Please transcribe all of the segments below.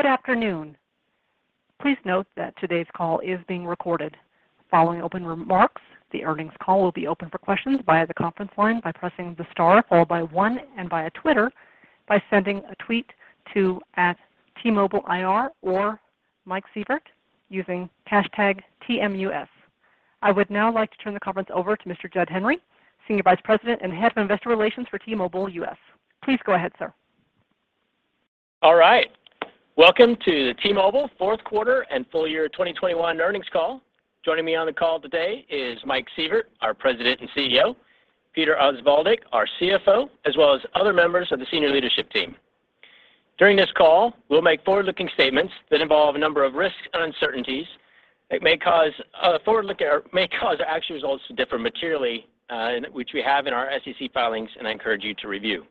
Good afternoon. Please note that today's call is being recorded. Following opening remarks, the earnings call will be open for questions via the conference line by pressing the star followed by one and via Twitter by sending a tweet to at T-Mobile IR or Mike Sievert using hashtag TMUS. I would now like to turn the conference over to Mr. Jud Henry, Senior Vice President and Head of Investor Relations for T-Mobile US. Please go ahead, sir. All right. Welcome to T-Mobile fourth quarter and full year 2021 earnings call. Joining me on the call today is Mike Sievert, our President and CEO, Peter Osvaldik, our CFO, as well as other members of the senior leadership team. During this call, we'll make forward-looking statements that involve a number of risks and uncertainties that may cause actual results to differ materially, which we have in our SEC filings, and I encourage you to review.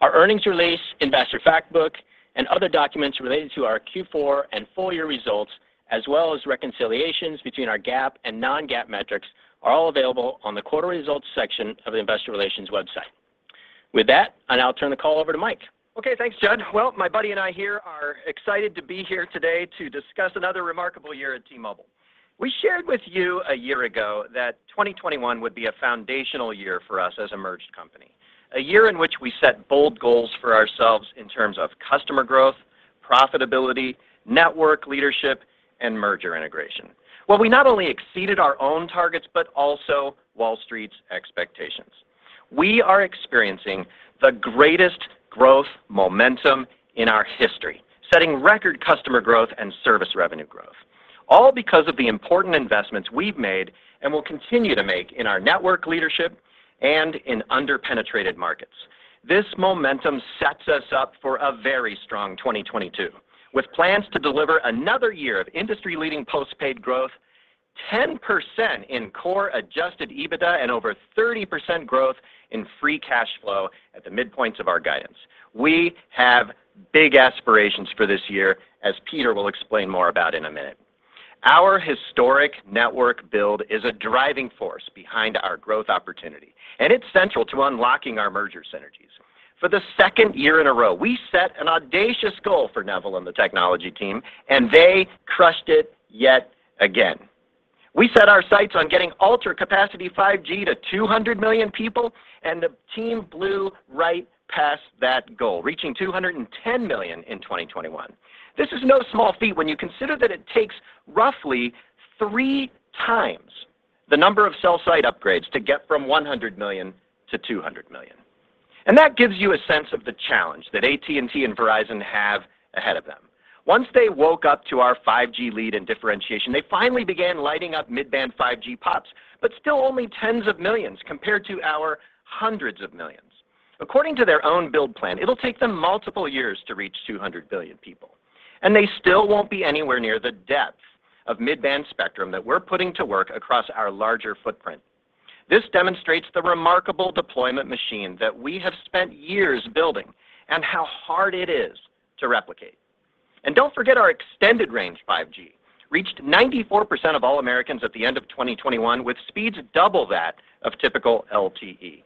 Our earnings release, investor fact book, and other documents related to our Q4 and full year results, as well as reconciliations between our GAAP and non-GAAP metrics, are all available on the quarterly results section of the investor relations website. With that, I now turn the call over to Mike. Okay, thanks, Jud. Well, my buddy and I here are excited to be here today to discuss another remarkable year at T-Mobile. We shared with you a year ago that 2021 would be a foundational year for us as a merged company. A year in which we set bold goals for ourselves in terms of customer growth, profitability, network leadership, and merger integration. Well, we not only exceeded our own targets, but also Wall Street's expectations. We are experiencing the greatest growth momentum in our history, setting record customer growth and service revenue growth. All because of the important investments we've made and will continue to make in our network leadership and in under-penetrated markets. This momentum sets us up for a very strong 2022, with plans to deliver another year of industry-leading postpaid growth, 10% in Core Adjusted EBITDA, and over 30% growth in free cash flow at the midpoints of our guidance. We have big aspirations for this year, as Peter will explain more about in a minute. Our historic network build is a driving force behind our growth opportunity, and it's central to unlocking our merger synergies. For the second year in a row, we set an audacious goal for Neville and the technology team, and they crushed it yet again. We set our sights on getting Ultra Capacity 5G to 200 million people, and the team blew right past that goal, reaching 210 million in 2021. This is no small feat when you consider that it takes roughly 3 times the number of cell site upgrades to get from 100 million to 200 million. That gives you a sense of the challenge that AT&T and Verizon have ahead of them. Once they woke up to our 5G lead and differentiation, they finally began lighting up mid-band 5G pops, but still only tens of millions compared to our hundreds of millions. According to their own build plan, it'll take them multiple years to reach 200 million people, and they still won't be anywhere near the depth of mid-band spectrum that we're putting to work across our larger footprint. This demonstrates the remarkable deployment machine that we have spent years building and how hard it is to replicate. Don't forget our Extended Range 5G reached 94% of all Americans at the end of 2021, with speeds double that of typical LTE.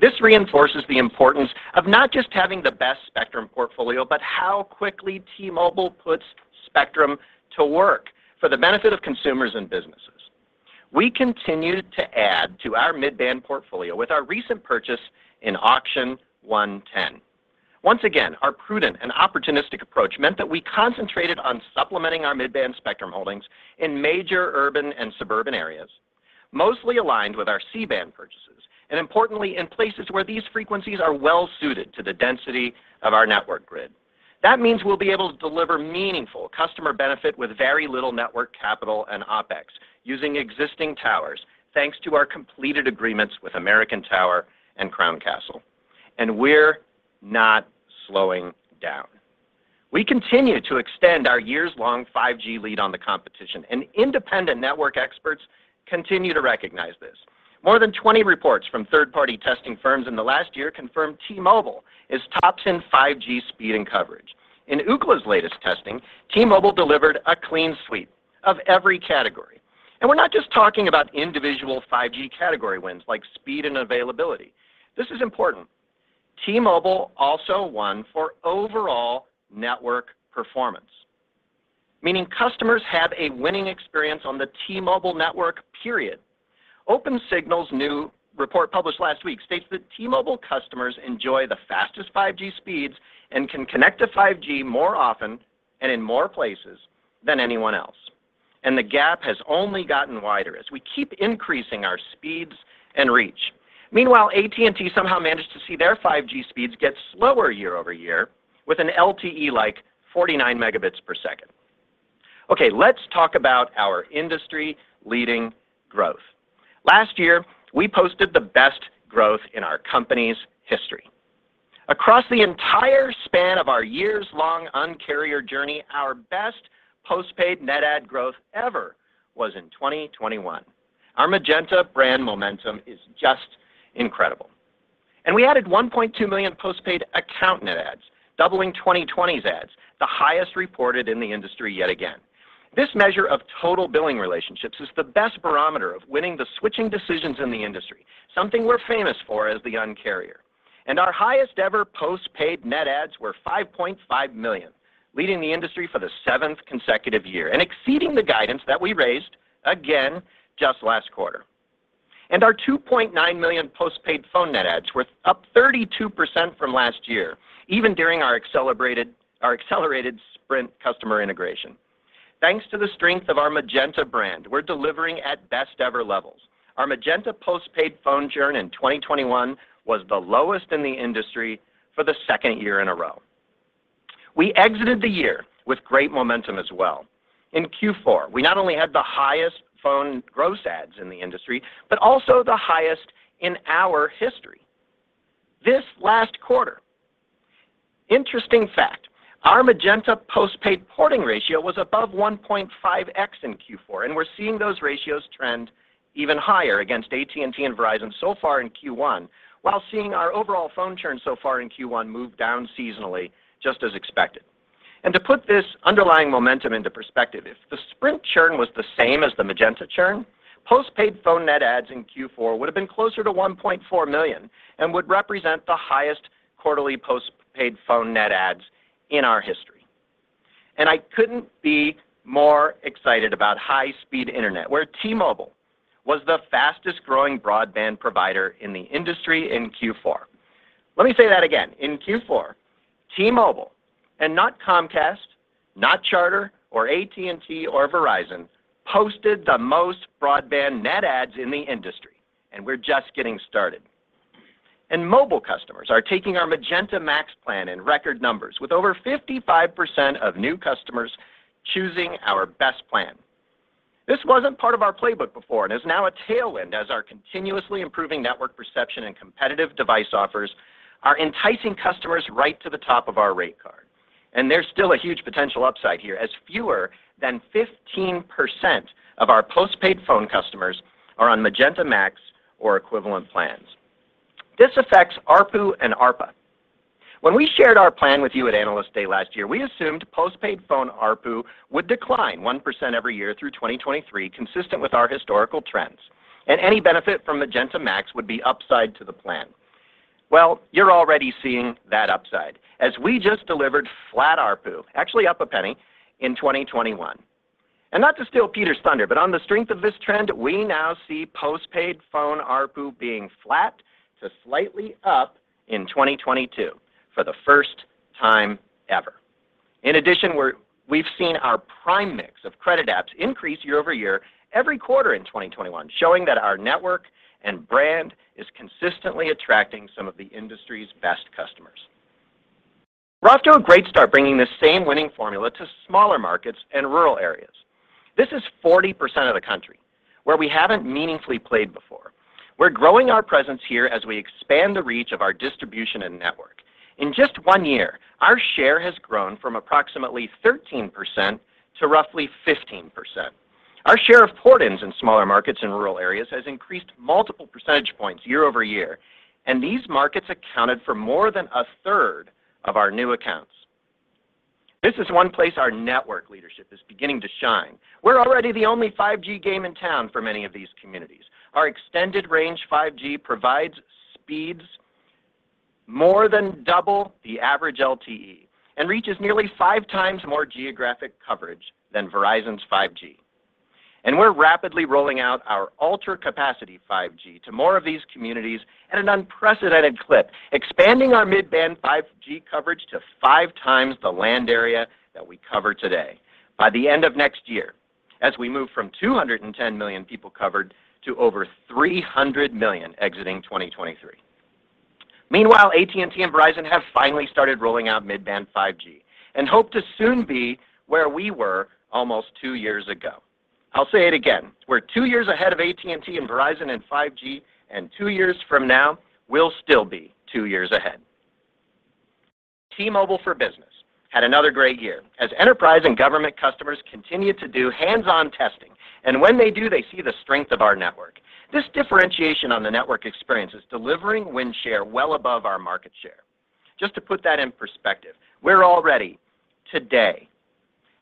This reinforces the importance of not just having the best spectrum portfolio, but how quickly T-Mobile puts spectrum to work for the benefit of consumers and businesses. We continued to add to our mid-band portfolio with our recent purchase in Auction 110. Once again, our prudent and opportunistic approach meant that we concentrated on supplementing our mid-band spectrum holdings in major urban and suburban areas, mostly aligned with our C-band purchases, and importantly, in places where these frequencies are well suited to the density of our network grid. That means we'll be able to deliver meaningful customer benefit with very little network capital and OpEx using existing towers thanks to our completed agreements with American Tower and Crown Castle. We're not slowing down. We continue to extend our years-long 5G lead on the competition, and independent network experts continue to recognize this. More than 20 reports from third-party testing firms in the last year confirmed T-Mobile is tops in 5G speed and coverage. In Ookla's latest testing, T-Mobile delivered a clean sweep of every category. We're not just talking about individual 5G category wins like speed and availability. This is important. T-Mobile also won for overall network performance, meaning customers have a winning experience on the T-Mobile network, period. Opensignal's new report published last week states that T-Mobile customers enjoy the fastest 5G speeds and can connect to 5G more often and in more places than anyone else. The gap has only gotten wider as we keep increasing our speeds and reach. Meanwhile, AT&T somehow managed to see their 5G speeds get slower year-over-year with an LTE-like 49 Mbps. Okay, let's talk about our industry-leading growth. Last year, we posted the best growth in our company's history. Across the entire span of our years-long Un-carrier journey, our best postpaid net add growth ever was in 2021. Our Magenta brand momentum is just incredible. We added 1.2 million postpaid account net adds, doubling 2020's adds, the highest reported in the industry yet again. This measure of total billing relationships is the best barometer of winning the switching decisions in the industry, something we're famous for as the Un-carrier. Our highest ever postpaid net adds were 5.5 million, leading the industry for the seventh consecutive year and exceeding the guidance that we raised again just last quarter. Our 2.9 million postpaid phone net adds were up 32% from last year, even during our accelerated Sprint customer integration. Thanks to the strength of our Magenta brand, we're delivering at best ever levels. Our Magenta postpaid phone churn in 2021 was the lowest in the industry for the second year in a row. We exited the year with great momentum as well. In Q4, we not only had the highest phone gross adds in the industry, but also the highest in our history. This last quarter, interesting fact, our Magenta postpaid porting ratio was above 1.5x in Q4, and we're seeing those ratios trend even higher against AT&T and Verizon so far in Q1, while seeing our overall phone churn so far in Q1 move down seasonally just as expected. To put this underlying momentum into perspective, if the Sprint churn was the same as the Magenta churn, postpaid phone net adds in Q4 would have been closer to 1.4 million and would represent the highest quarterly postpaid phone net adds in our history. I couldn't be more excited about high-speed internet, where T-Mobile was the fastest-growing broadband provider in the industry in Q4. Let me say that again. In Q4, T-Mobile, and not Comcast, not Charter, or AT&T, or Verizon, posted the most broadband net adds in the industry, and we're just getting started. Mobile customers are taking our Magenta MAX plan in record numbers with over 55% of new customers choosing our best plan. This wasn't part of our playbook before and is now a tailwind as our continuously improving network perception and competitive device offers are enticing customers right to the top of our rate card. There's still a huge potential upside here as fewer than 15% of our postpaid phone customers are on Magenta MAX or equivalent plans. This affects ARPU and ARPA. When we shared our plan with you at Analyst Day last year, we assumed postpaid phone ARPU would decline 1% every year through 2023, consistent with our historical trends. Any benefit from Magenta MAX would be upside to the plan. Well, you're already seeing that upside as we just delivered flat ARPU, actually up $0.01, in 2021. Not to steal Peter's thunder, but on the strength of this trend, we now see postpaid phone ARPU being flat to slightly up in 2022 for the first time ever. In addition, we've seen our prime mix of credit apps increase year-over-year every quarter in 2021, showing that our network and brand is consistently attracting some of the industry's best customers. We're off to a great start bringing the same winning formula to smaller markets and rural areas. This is 40% of the country where we haven't meaningfully played before. We're growing our presence here as we expand the reach of our distribution and network. In just one year, our share has grown from approximately 13% to roughly 15%. Our share of port-ins in smaller markets and rural areas has increased multiple percentage points year-over-year, and these markets accounted for more than a third of our new accounts. This is one place our network leadership is beginning to shine. We're already the only 5G game in town for many of these communities. Our Extended Range 5G provides speeds more than double the average LTE and reaches nearly 5 times more geographic coverage than Verizon's 5G. We're rapidly rolling out our Ultra Capacity 5G to more of these communities at an unprecedented clip, expanding our mid-band 5G coverage to 5 times the land area that we cover today by the end of next year as we move from 210 million people covered to over 300 million exiting 2023. Meanwhile, AT&T and Verizon have finally started rolling out mid-band 5G and hope to soon be where we were almost two years ago. I'll say it again. We're two years ahead of AT&T and Verizon in 5G, and two years from now, we'll still be two years ahead. T-Mobile for Business had another great year as enterprise and government customers continued to do hands-on testing. When they do, they see the strength of our network. This differentiation on the network experience is delivering win share well above our market share. Just to put that in perspective, we're already today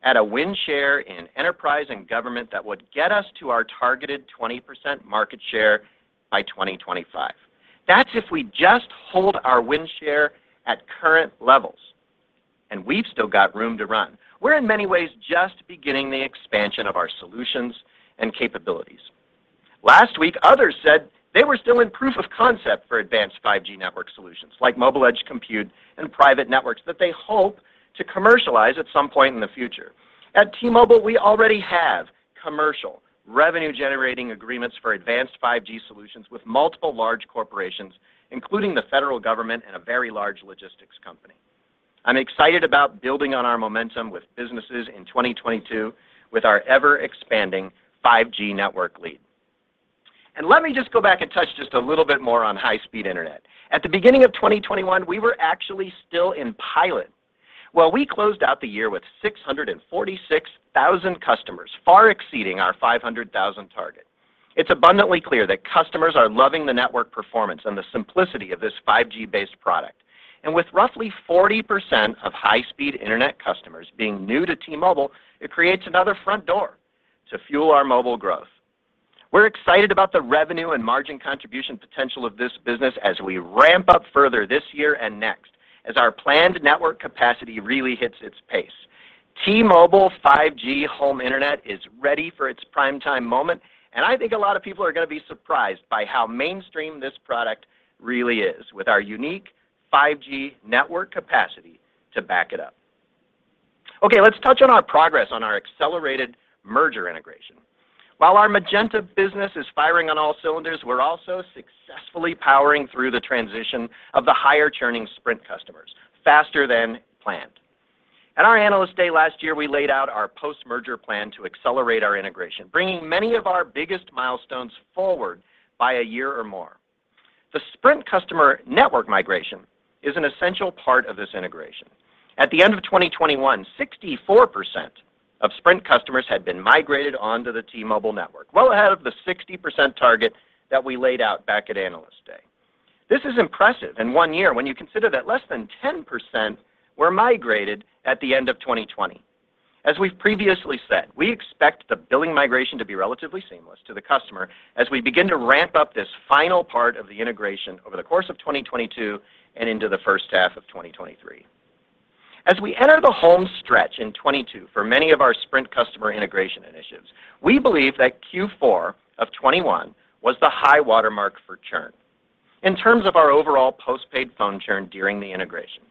at a win share in enterprise and government that would get us to our targeted 20% market share by 2025. That's if we just hold our win share at current levels, and we've still got room to run. We're in many ways just beginning the expansion of our solutions and capabilities. Last week, others said they were still in proof of concept for advanced 5G network solutions like mobile edge compute and private networks that they hope to commercialize at some point in the future. At T-Mobile, we already have commercial revenue-generating agreements for advanced 5G solutions with multiple large corporations, including the federal government and a very large logistics company. I'm excited about building on our momentum with businesses in 2022 with our ever-expanding 5G network lead. Let me just go back and touch just a little bit more on high-speed internet. At the beginning of 2021, we were actually still in pilot. Well, we closed out the year with 646,000 customers, far exceeding our 500,000 target. It's abundantly clear that customers are loving the network performance and the simplicity of this 5G-based product. With roughly 40% of high-speed internet customers being new to T-Mobile, it creates another front door to fuel our mobile growth. We're excited about the revenue and margin contribution potential of this business as we ramp up further this year and next as our planned network capacity really hits its pace. T-Mobile 5G Home Internet is ready for its prime time moment, and I think a lot of people are going to be surprised by how mainstream this product really is with our unique 5G network capacity to back it up. Okay, let's touch on our progress on our accelerated merger integration. While our Magenta business is firing on all cylinders, we're also successfully powering through the transition of the higher-churning Sprint customers faster than planned. At our Analyst Day last year, we laid out our post-merger plan to accelerate our integration, bringing many of our biggest milestones forward by a year or more. The Sprint customer network migration is an essential part of this integration. At the end of 2021, 64% of Sprint customers had been migrated onto the T-Mobile network, well ahead of the 60% target that we laid out back at Analyst Day. This is impressive in 1 year when you consider that less than 10% were migrated at the end of 2020. As we've previously said, we expect the billing migration to be relatively seamless to the customer as we begin to ramp up this final part of the integration over the course of 2022 and into the first half of 2023. As we enter the home stretch in 2022 for many of our Sprint customer integration initiatives, we believe that Q4 of 2021 was the high watermark for churn in terms of our overall postpaid phone churn during the integration.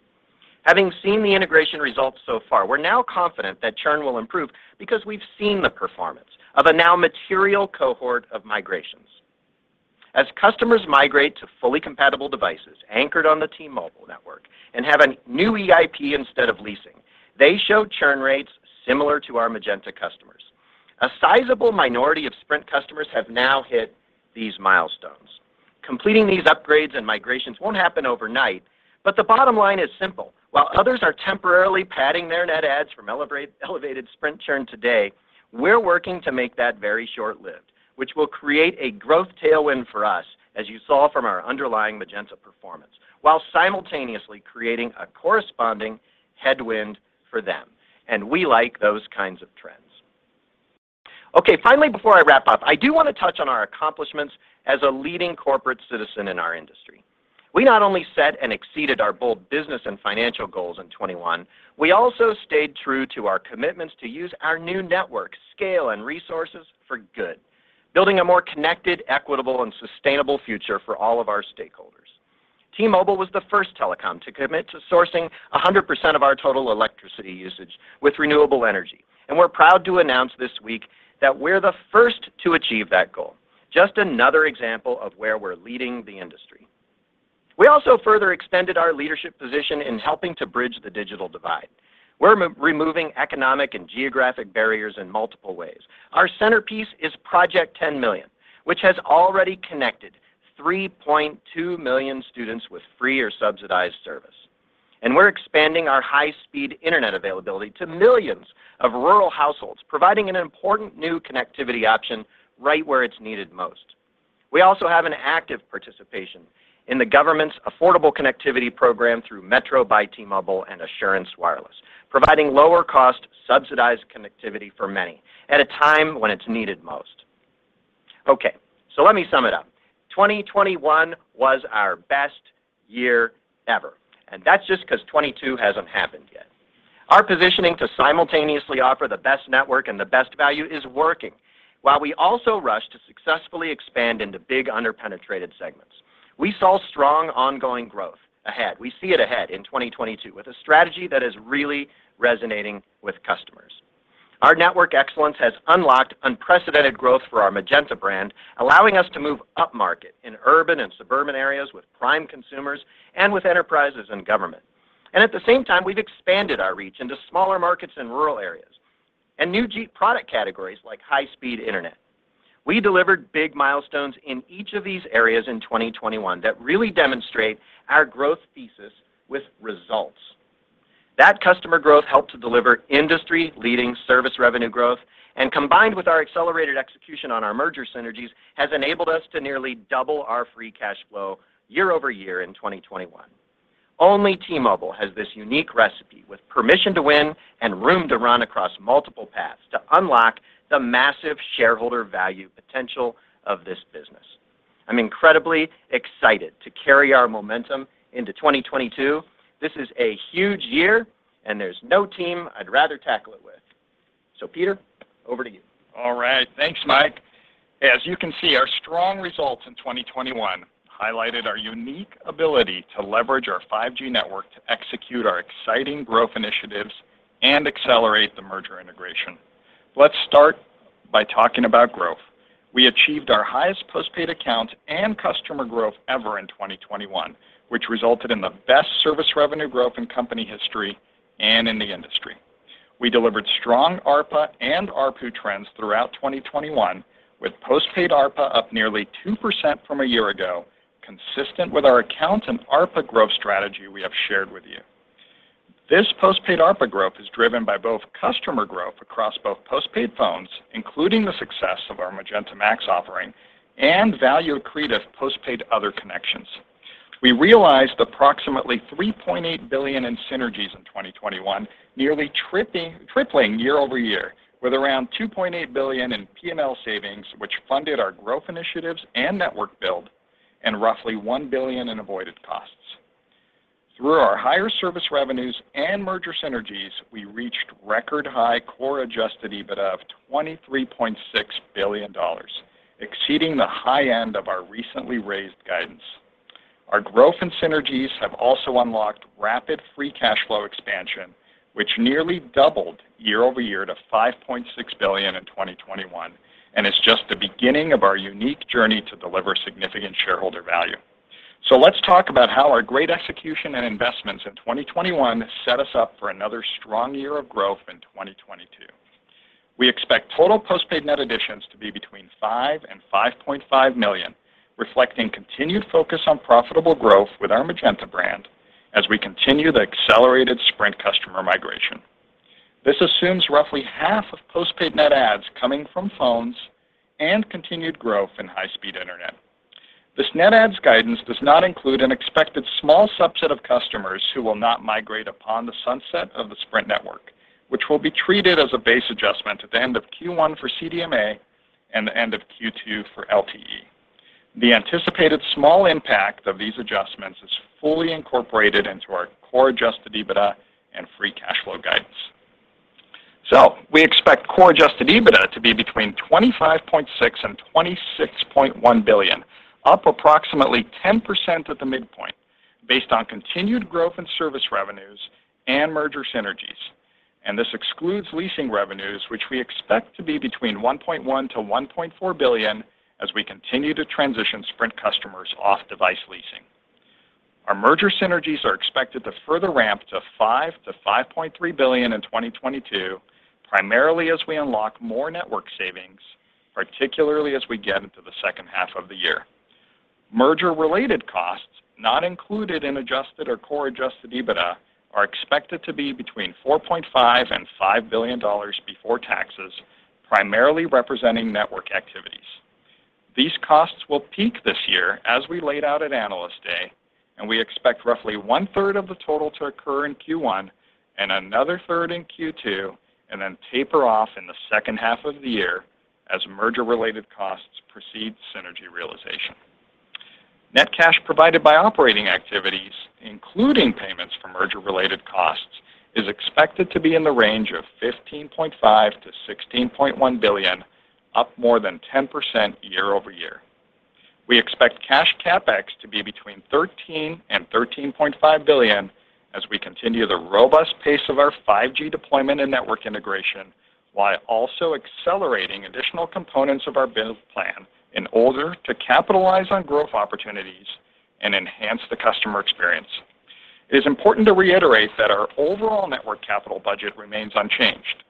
Having seen the integration results so far, we're now confident that churn will improve because we've seen the performance of a now material cohort of migrations. As customers migrate to fully compatible devices anchored on the T-Mobile network and have a new EIP instead of leasing, they show churn rates similar to our Magenta customers. A sizable minority of Sprint customers have now hit these milestones. Completing these upgrades and migrations won't happen overnight, but the bottom line is simple. While others are temporarily padding their net adds from elevated Sprint churn today, we're working to make that very short-lived, which will create a growth tailwind for us, as you saw from our underlying Magenta performance, while simultaneously creating a corresponding headwind for them. We like those kinds of trends. Okay, finally, before I wrap up, I do want to touch on our accomplishments as a leading corporate citizen in our industry. We not only set and exceeded our bold business and financial goals in 2021, we also stayed true to our commitments to use our new network, scale, and resources for good, building a more connected, equitable, and sustainable future for all of our stakeholders. T-Mobile was the first telecom to commit to sourcing 100% of our total electricity usage with renewable energy. We're proud to announce this week that we're the first to achieve that goal. Just another example of where we're leading the industry. We also further extended our leadership position in helping to bridge the digital divide. We're removing economic and geographic barriers in multiple ways. Our centerpiece is Project 10Million, which has already connected 3.2 million students with free or subsidized service. We're expanding our high-speed internet availability to millions of rural households, providing an important new connectivity option right where it's needed most. We also have an active participation in the government's Affordable Connectivity Program through Metro by T-Mobile and Assurance Wireless, providing lower-cost, subsidized connectivity for many at a time when it's needed most. Okay, so let me sum it up. 2021 was our best year ever, and that's just because 2022 hasn't happened yet. Our positioning to simultaneously offer the best network and the best value is working, while we also rush to successfully expand into big under-penetrated segments. We saw strong ongoing growth ahead. We see it ahead in 2022 with a strategy that is really resonating with customers. Our network excellence has unlocked unprecedented growth for our Magenta brand, allowing us to move upmarket in urban and suburban areas with prime consumers and with enterprises and government. At the same time, we've expanded our reach into smaller markets in rural areas and new key product categories like high-speed internet. We delivered big milestones in each of these areas in 2021 that really demonstrate our growth thesis with results. That customer growth helped to deliver industry-leading service revenue growth, and combined with our accelerated execution on our merger synergies, has enabled us to nearly double our free cash flow year-over-year in 2021. Only T-Mobile has this unique recipe with permission to win and room to run across multiple paths to unlock the massive shareholder value potential of this business. I'm incredibly excited to carry our momentum into 2022. This is a huge year, and there's no team I'd rather tackle it with. Peter, over to you. All right. Thanks, Mike. As you can see, our strong results in 2021 highlighted our unique ability to leverage our 5G network to execute our exciting growth initiatives and accelerate the merger integration. Let's start by talking about growth. We achieved our highest postpaid account and customer growth ever in 2021, which resulted in the best service revenue growth in company history and in the industry. We delivered strong ARPA and ARPU trends throughout 2021, with postpaid ARPA up nearly 2% from a year ago, consistent with our account and ARPA growth strategy we have shared with you. This postpaid ARPA growth is driven by both customer growth across both postpaid phones, including the success of our Magenta MAX offering and value accretive postpaid other connections. We realized approximately $3.8 billion in synergies in 2021, nearly tripling year-over-year, with around $2.8 billion in P&L savings, which funded our growth initiatives and network build, and roughly $1 billion in avoided costs. Through our higher service revenues and merger synergies, we reached record high Core Adjusted EBITDA of $23.6 billion, exceeding the high end of our recently raised guidance. Our growth and synergies have also unlocked rapid free cash flow expansion, which nearly doubled year-over-year to $5.6 billion in 2021, and it's just the beginning of our unique journey to deliver significant shareholder value. Let's talk about how our great execution and investments in 2021 set us up for another strong year of growth in 2022. We expect total postpaid net additions to be between 5-5.5 million, reflecting continued focus on profitable growth with our Magenta brand as we continue the accelerated Sprint customer migration. This assumes roughly half of postpaid net adds coming from phones and continued growth in high-speed internet. This net adds guidance does not include an expected small subset of customers who will not migrate upon the sunset of the Sprint network, which will be treated as a base adjustment at the end of Q1 for CDMA and the end of Q2 for LTE. The anticipated small impact of these adjustments is fully incorporated into our Core Adjusted EBITDA and free cash flow guidance. We expect Core Adjusted EBITDA to be between $25.6 billion-$26.1 billion, up approximately 10% at the midpoint, based on continued growth in service revenues and merger synergies. This excludes leasing revenues, which we expect to be between $1.1 billion-$1.4 billion as we continue to transition Sprint customers off device leasing. Our merger synergies are expected to further ramp to $5 billion-$5.3 billion in 2022, primarily as we unlock more network savings, particularly as we get into the second half of the year. Merger-related costs, not included in adjusted or Core Adjusted EBITDA, are expected to be between $4.5 billion and $5 billion before taxes, primarily representing network activities. These costs will peak this year as we laid out at Analyst Day, and we expect roughly one-third of the total to occur in Q1 and another third in Q2, and then taper off in the second half of the year as merger-related costs precede synergy realization. Net cash provided by operating activities, including payments for merger-related costs, is expected to be in the range of $15.5 billion-$16.1 billion, up more than 10% year-over-year. We expect cash CapEx to be between $13 billion-$13.5 billion as we continue the robust pace of our 5G deployment and network integration, while also accelerating additional components of our build plan in order to capitalize on growth opportunities and enhance the customer experience. It is important to reiterate that our overall network capital budget remains unchanged.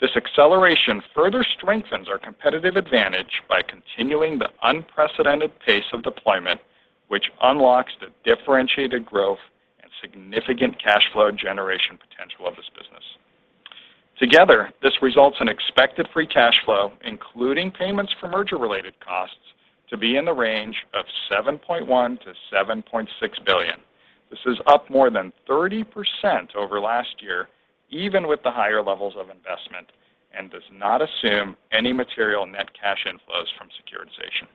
This acceleration further strengthens our competitive advantage by continuing the unprecedented pace of deployment, which unlocks the differentiated growth and significant cash flow generation potential of this business. Together, this results in expected free cash flow, including payments for merger-related costs, to be in the range of $7.1 billion-$7.6 billion. This is up more than 30% over last year, even with the higher levels of investment, and does not assume any material net cash inflows from securitization.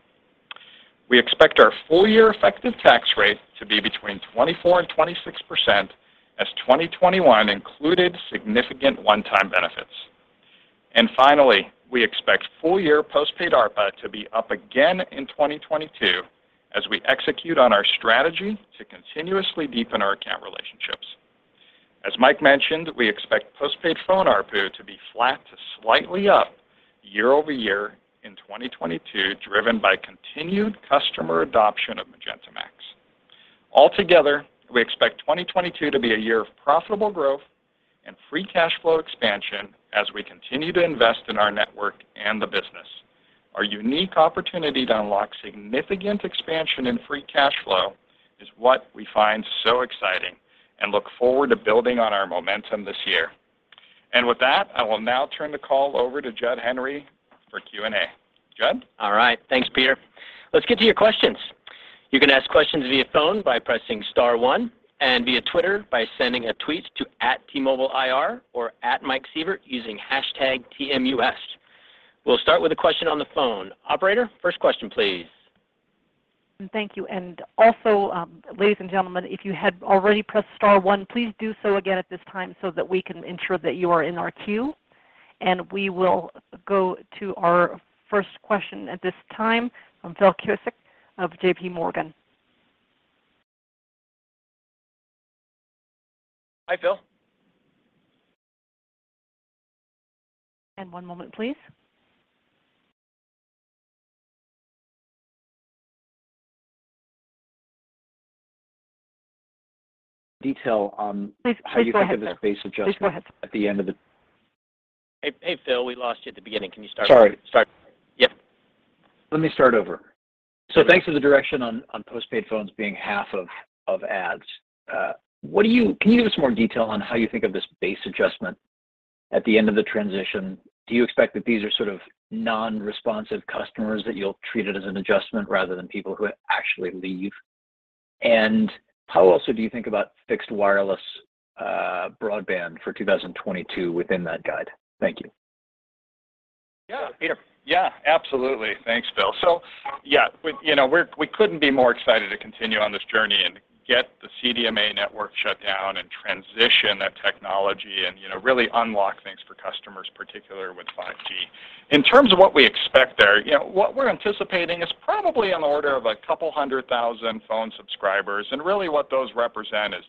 We expect our full year effective tax rate to be between 24% and 26% as 2021 included significant one-time benefits. Finally, we expect full year postpaid ARPA to be up again in 2022 as we execute on our strategy to continuously deepen our account relationships. As Mike mentioned, we expect postpaid phone ARPU to be flat to slightly up year-over-year in 2022, driven by continued customer adoption of Magenta MAX. Altogether, we expect 2022 to be a year of profitable growth and free cash flow expansion as we continue to invest in our network and the business. Our unique opportunity to unlock significant expansion in free cash flow is what we find so exciting and look forward to building on our momentum this year. With that, I will now turn the call over to Jud Henry for Q&A. Jud? All right. Thanks, Peter. Let's get to your questions. You can ask questions via phone by pressing star one and via Twitter by sending a tweet to @T-MobileIR or @MikeSievert using hashtag TMUS. We'll start with a question on the phone. Operator, first question, please. Thank you. Also, ladies and gentlemen, if you had already pressed star one, please do so again at this time so that we can ensure that you are in our queue. We will go to our first question at this time from Philip Cusick of JPMorgan. Hi, Phil. And one moment, please. Please, please go ahead. How do you think of this base adjustment? Please go ahead. At the end of the Hey Phil, we lost you at the beginning. Can you start over? Sorry. Start. Yep. Let me start over. Thanks for the direction on postpaid phones being half of adds. Can you give us more detail on how you think of this base adjustment at the end of the transition? Do you expect that these are sort of non-responsive customers that you'll treat it as an adjustment rather than people who actually leave? How also do you think about fixed wireless broadband for 2022 within that guide? Thank you. Yeah, Peter. Yeah, absolutely. Thanks, Phil. You know, we couldn't be more excited to continue on this journey and get the CDMA network shut down and transition that technology and, you know, really unlock things for customers, particularly with 5G. In terms of what we expect there, you know, what we're anticipating is probably on the order of 200,000 phone subscribers, and really what those represent is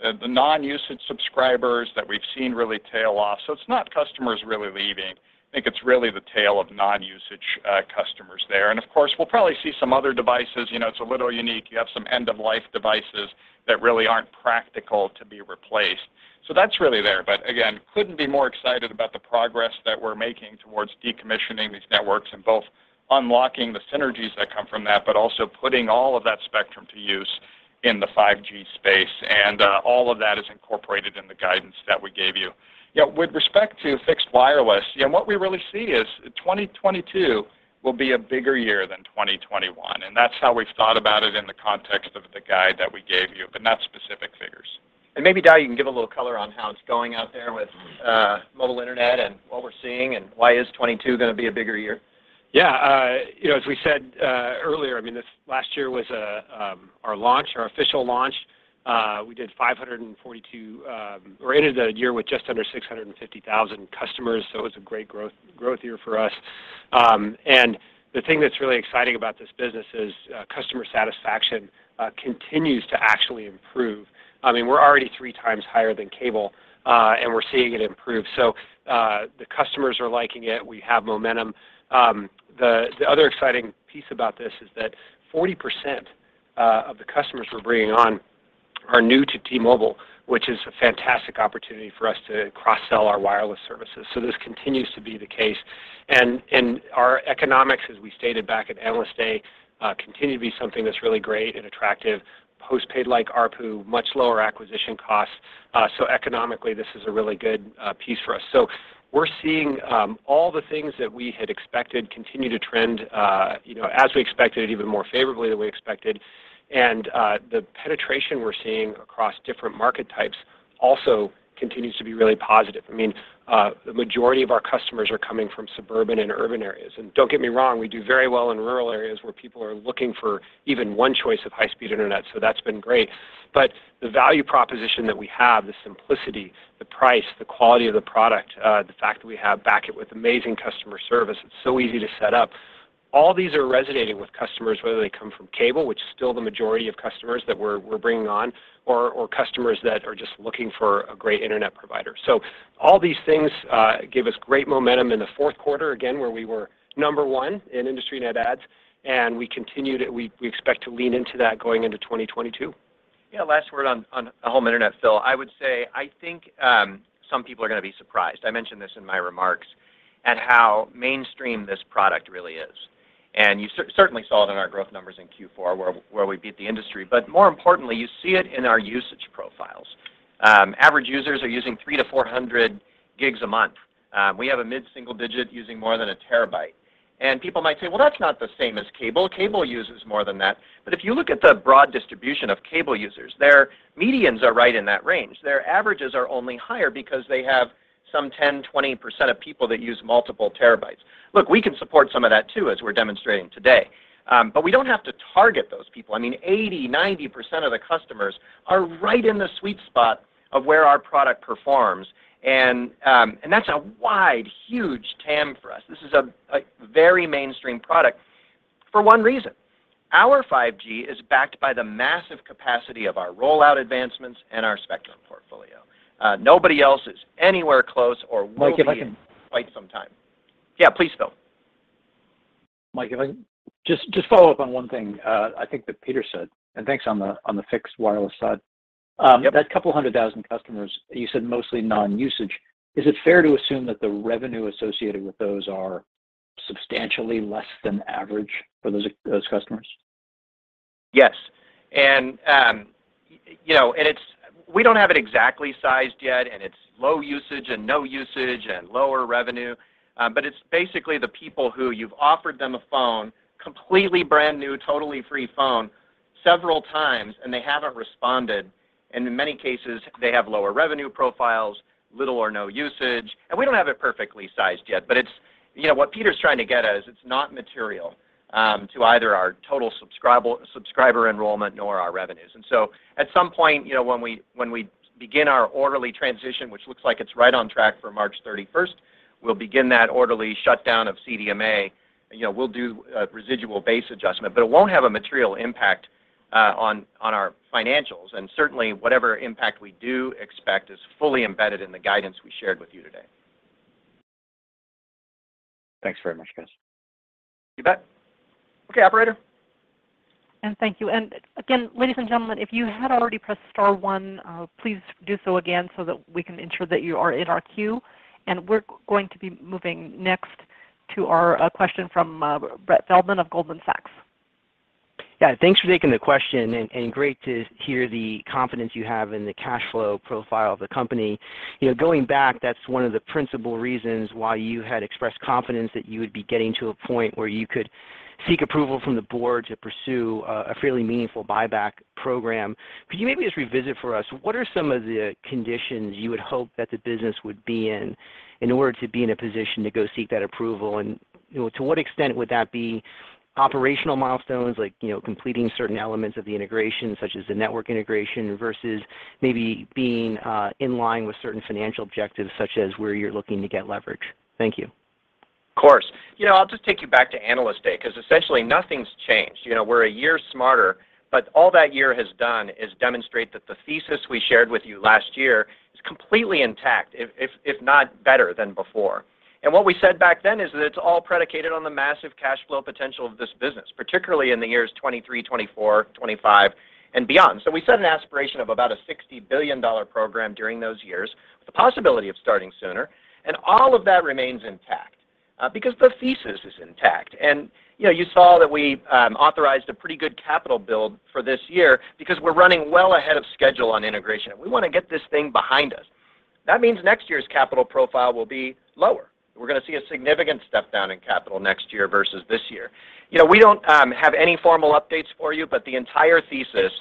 the non-usage subscribers that we've seen really tail off. It's not customers really leaving. I think it's really the tail of non-usage customers there. Of course, we'll probably see some other devices. You know, it's a little unique. You have some end-of-life devices that really aren't practical to be replaced. That's really there. again, couldn't be more excited about the progress that we're making towards decommissioning these networks and both unlocking the synergies that come from that, but also putting all of that spectrum to use in the 5G space. all of that is incorporated in the guidance that we gave you. You know, with respect to fixed wireless, you know, what we really see is 2022 will be a bigger year than 2021, and that's how we've thought about it in the context of the guide that we gave you, but not specific figures. Maybe, Dow, you can give a little color on how it's going out there with mobile internet and what we're seeing and why is 2022 gonna be a bigger year? Yeah. You know, as we said earlier, I mean, this last year was our launch, our official launch. We did 542. We ended the year with just under 650,000 customers, so it was a great growth year for us. The thing that's really exciting about this business is customer satisfaction continues to actually improve. I mean, we're already three times higher than cable, and we're seeing it improve. The customers are liking it. We have momentum. The other exciting piece about this is that 40% of the customers we're bringing on are new to T-Mobile, which is a fantastic opportunity for us to cross-sell our wireless services. This continues to be the case. Our economics, as we stated back at Analyst Day, continue to be something that's really great and attractive. Postpaid-like ARPU, much lower acquisition costs. Economically, this is a really good piece for us. We're seeing all the things that we had expected continue to trend, you know, as we expected, even more favorably than we expected. The penetration we're seeing across different market types also continues to be really positive. I mean, the majority of our customers are coming from suburban and urban areas. Don't get me wrong, we do very well in rural areas where people are looking for even one choice of high-speed internet, so that's been great. The value proposition that we have, the simplicity, the price, the quality of the product, the fact that we have backed it with amazing customer service, it's so easy to set up. All these are resonating with customers, whether they come from cable, which is still the majority of customers that we're bringing on, or customers that are just looking for a great internet provider. All these things give us great momentum in the fourth quarter, again, where we were number one in industry net adds, and we expect to lean into that going into 2022. Yeah. Last word on home internet, Phil. I would say I think some people are gonna be surprised. I mentioned this in my remarks at how mainstream this product really is. You certainly saw it in our growth numbers in Q4 where we beat the industry. More importantly, you see it in our usage profiles. Average users are using 300-400 GB a month. We have a mid-single digit using more than a terabyte. People might say, "Well, that's not the same as cable. Cable uses more than that." If you look at the broad distribution of cable users, their medians are right in that range. Their averages are only higher because they have some 10-20% of people that use multiple terabytes. Look, we can support some of that too, as we're demonstrating today. We don't have to target those people. I mean, 80%-90% of the customers are right in the sweet spot of where our product performs. That's a wide, huge TAM for us. This is a very mainstream product for one reason. Our 5G is backed by the massive capacity of our rollout advancements and our spectrum portfolio. Nobody else is anywhere close or will be. Mike, if I can. for quite some time. Yeah, please, Phil. Mike, if I can just follow up on one thing, I think that Peter said, and thanks on the fixed wireless side. Yep. That 200,000 customers, you said mostly non-usage. Is it fair to assume that the revenue associated with those are substantially less than average for those customers? Yes. You know, we don't have it exactly sized yet, and it's low usage and no usage and lower revenue. It's basically the people who you've offered them a phone, completely brand new, totally free phone several times, and they haven't responded, and in many cases, they have lower revenue profiles, little or no usage. We don't have it perfectly sized yet. You know, what Peter's trying to get at is it's not material to either our total subscriber enrollment nor our revenues. At some point, you know, when we begin our orderly transition, which looks like it's right on track for March thirty-first, we'll begin that orderly shutdown of CDMA. You know, we'll do a residual base adjustment. It won't have a material impact on our financials, and certainly whatever impact we do expect is fully embedded in the guidance we shared with you today. Thanks very much, guys. You bet. Okay, operator. Thank you. Again, ladies and gentlemen, if you had already pressed star one, please do so again so that we can ensure that you are in our queue. We're going to be moving next to our question from Brett Feldman of Goldman Sachs. Yeah, thanks for taking the question and great to hear the confidence you have in the cash flow profile of the company. You know, going back, that's one of the principal reasons why you had expressed confidence that you would be getting to a point where you could seek approval from the board to pursue a fairly meaningful buyback program. Could you maybe just revisit for us what are some of the conditions you would hope that the business would be in order to be in a position to go seek that approval? You know, to what extent would that be operational milestones, like, you know, completing certain elements of the integration, such as the network integration, versus maybe being in line with certain financial objectives, such as where you're looking to get leverage? Thank you. Of course. You know, I'll just take you back to Analyst Day, 'cause essentially nothing's changed. You know, we're a year smarter, but all that year has done is demonstrate that the thesis we shared with you last year is completely intact, if not better than before. What we said back then is that it's all predicated on the massive cash flow potential of this business, particularly in the years 2023, 2024, 2025 and beyond. We set an aspiration of about a $60 billion program during those years, with the possibility of starting sooner, and all of that remains intact because the thesis is intact. You know, you saw that we authorized a pretty good capital build for this year because we're running well ahead of schedule on integration. We wanna get this thing behind us. That means next year's capital profile will be lower. We're gonna see a significant step down in capital next year versus this year. You know, we don't have any formal updates for you, but the entire thesis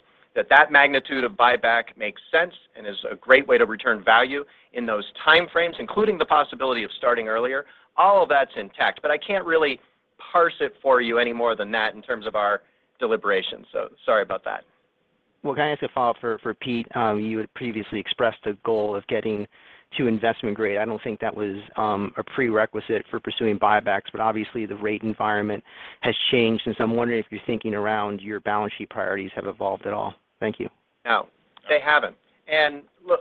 that magnitude of buyback makes sense and is a great way to return value in those timeframes, including the possibility of starting earlier, all of that's intact. I can't really parse it for you any more than that in terms of our deliberations, so sorry about that. Well, can I ask a follow-up for Peter? You had previously expressed a goal of getting to investment grade. I don't think that was a prerequisite for pursuing buybacks, obviously the rate environment has changed, and so I'm wondering if you're thinking around your balance sheet priorities have evolved at all. Thank you. No, they haven't.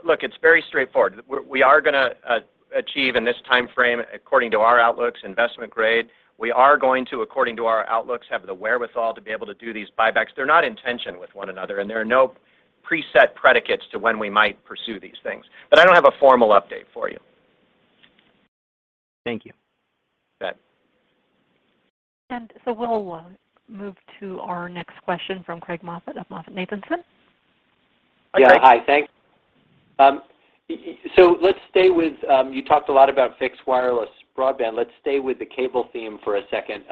Look, it's very straightforward. We are gonna achieve in this timeframe, according to our outlooks, investment grade. We are going to, according to our outlooks, have the wherewithal to be able to do these buybacks. They're not in tension with one another, and there are no preset predicates to when we might pursue these things. I don't have a formal update for you. Thank you. You bet. We'll move to our next question from Craig Moffett of MoffettNathanson. Yeah. Hi, Craig. Yeah. Hi. Thanks. Let's stay with you talked a lot about fixed wireless broadband. Let's stay with the cable theme for a second.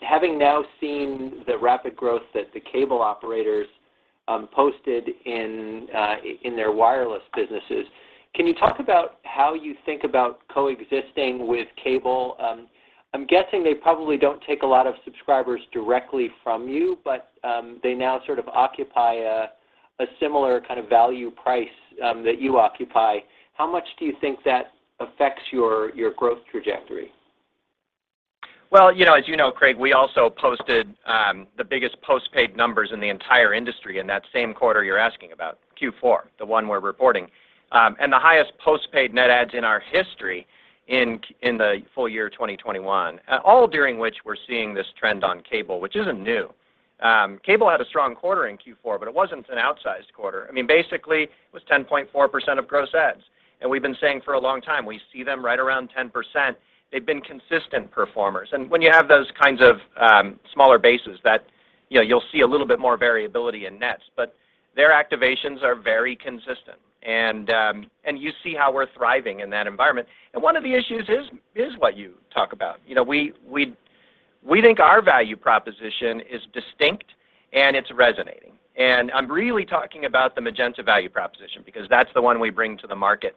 Having now seen the rapid growth that the cable operators posted in their wireless businesses, can you talk about how you think about coexisting with cable? I'm guessing they probably don't take a lot of subscribers directly from you, but they now sort of occupy a similar kind of value price that you occupy. How much do you think that affects your growth trajectory? Well, you know, as you know, Craig, we also posted the biggest postpaid numbers in the entire industry in that same quarter you're asking about, Q4, the one we're reporting. The highest postpaid net adds in our history in the full year 2021, all during which we're seeing this trend on cable, which isn't new. Cable had a strong quarter in Q4, but it wasn't an outsized quarter. I mean, basically, it was 10.4% of gross adds. We've been saying for a long time, we see them right around 10%. They've been consistent performers. When you have those kinds of smaller bases that, you know, you'll see a little bit more variability in nets. Their activations are very consistent and you see how we're thriving in that environment. One of the issues is what you talk about. You know, we think our value proposition is distinct and it's resonating. I'm really talking about the Magenta value proposition because that's the one we bring to the market.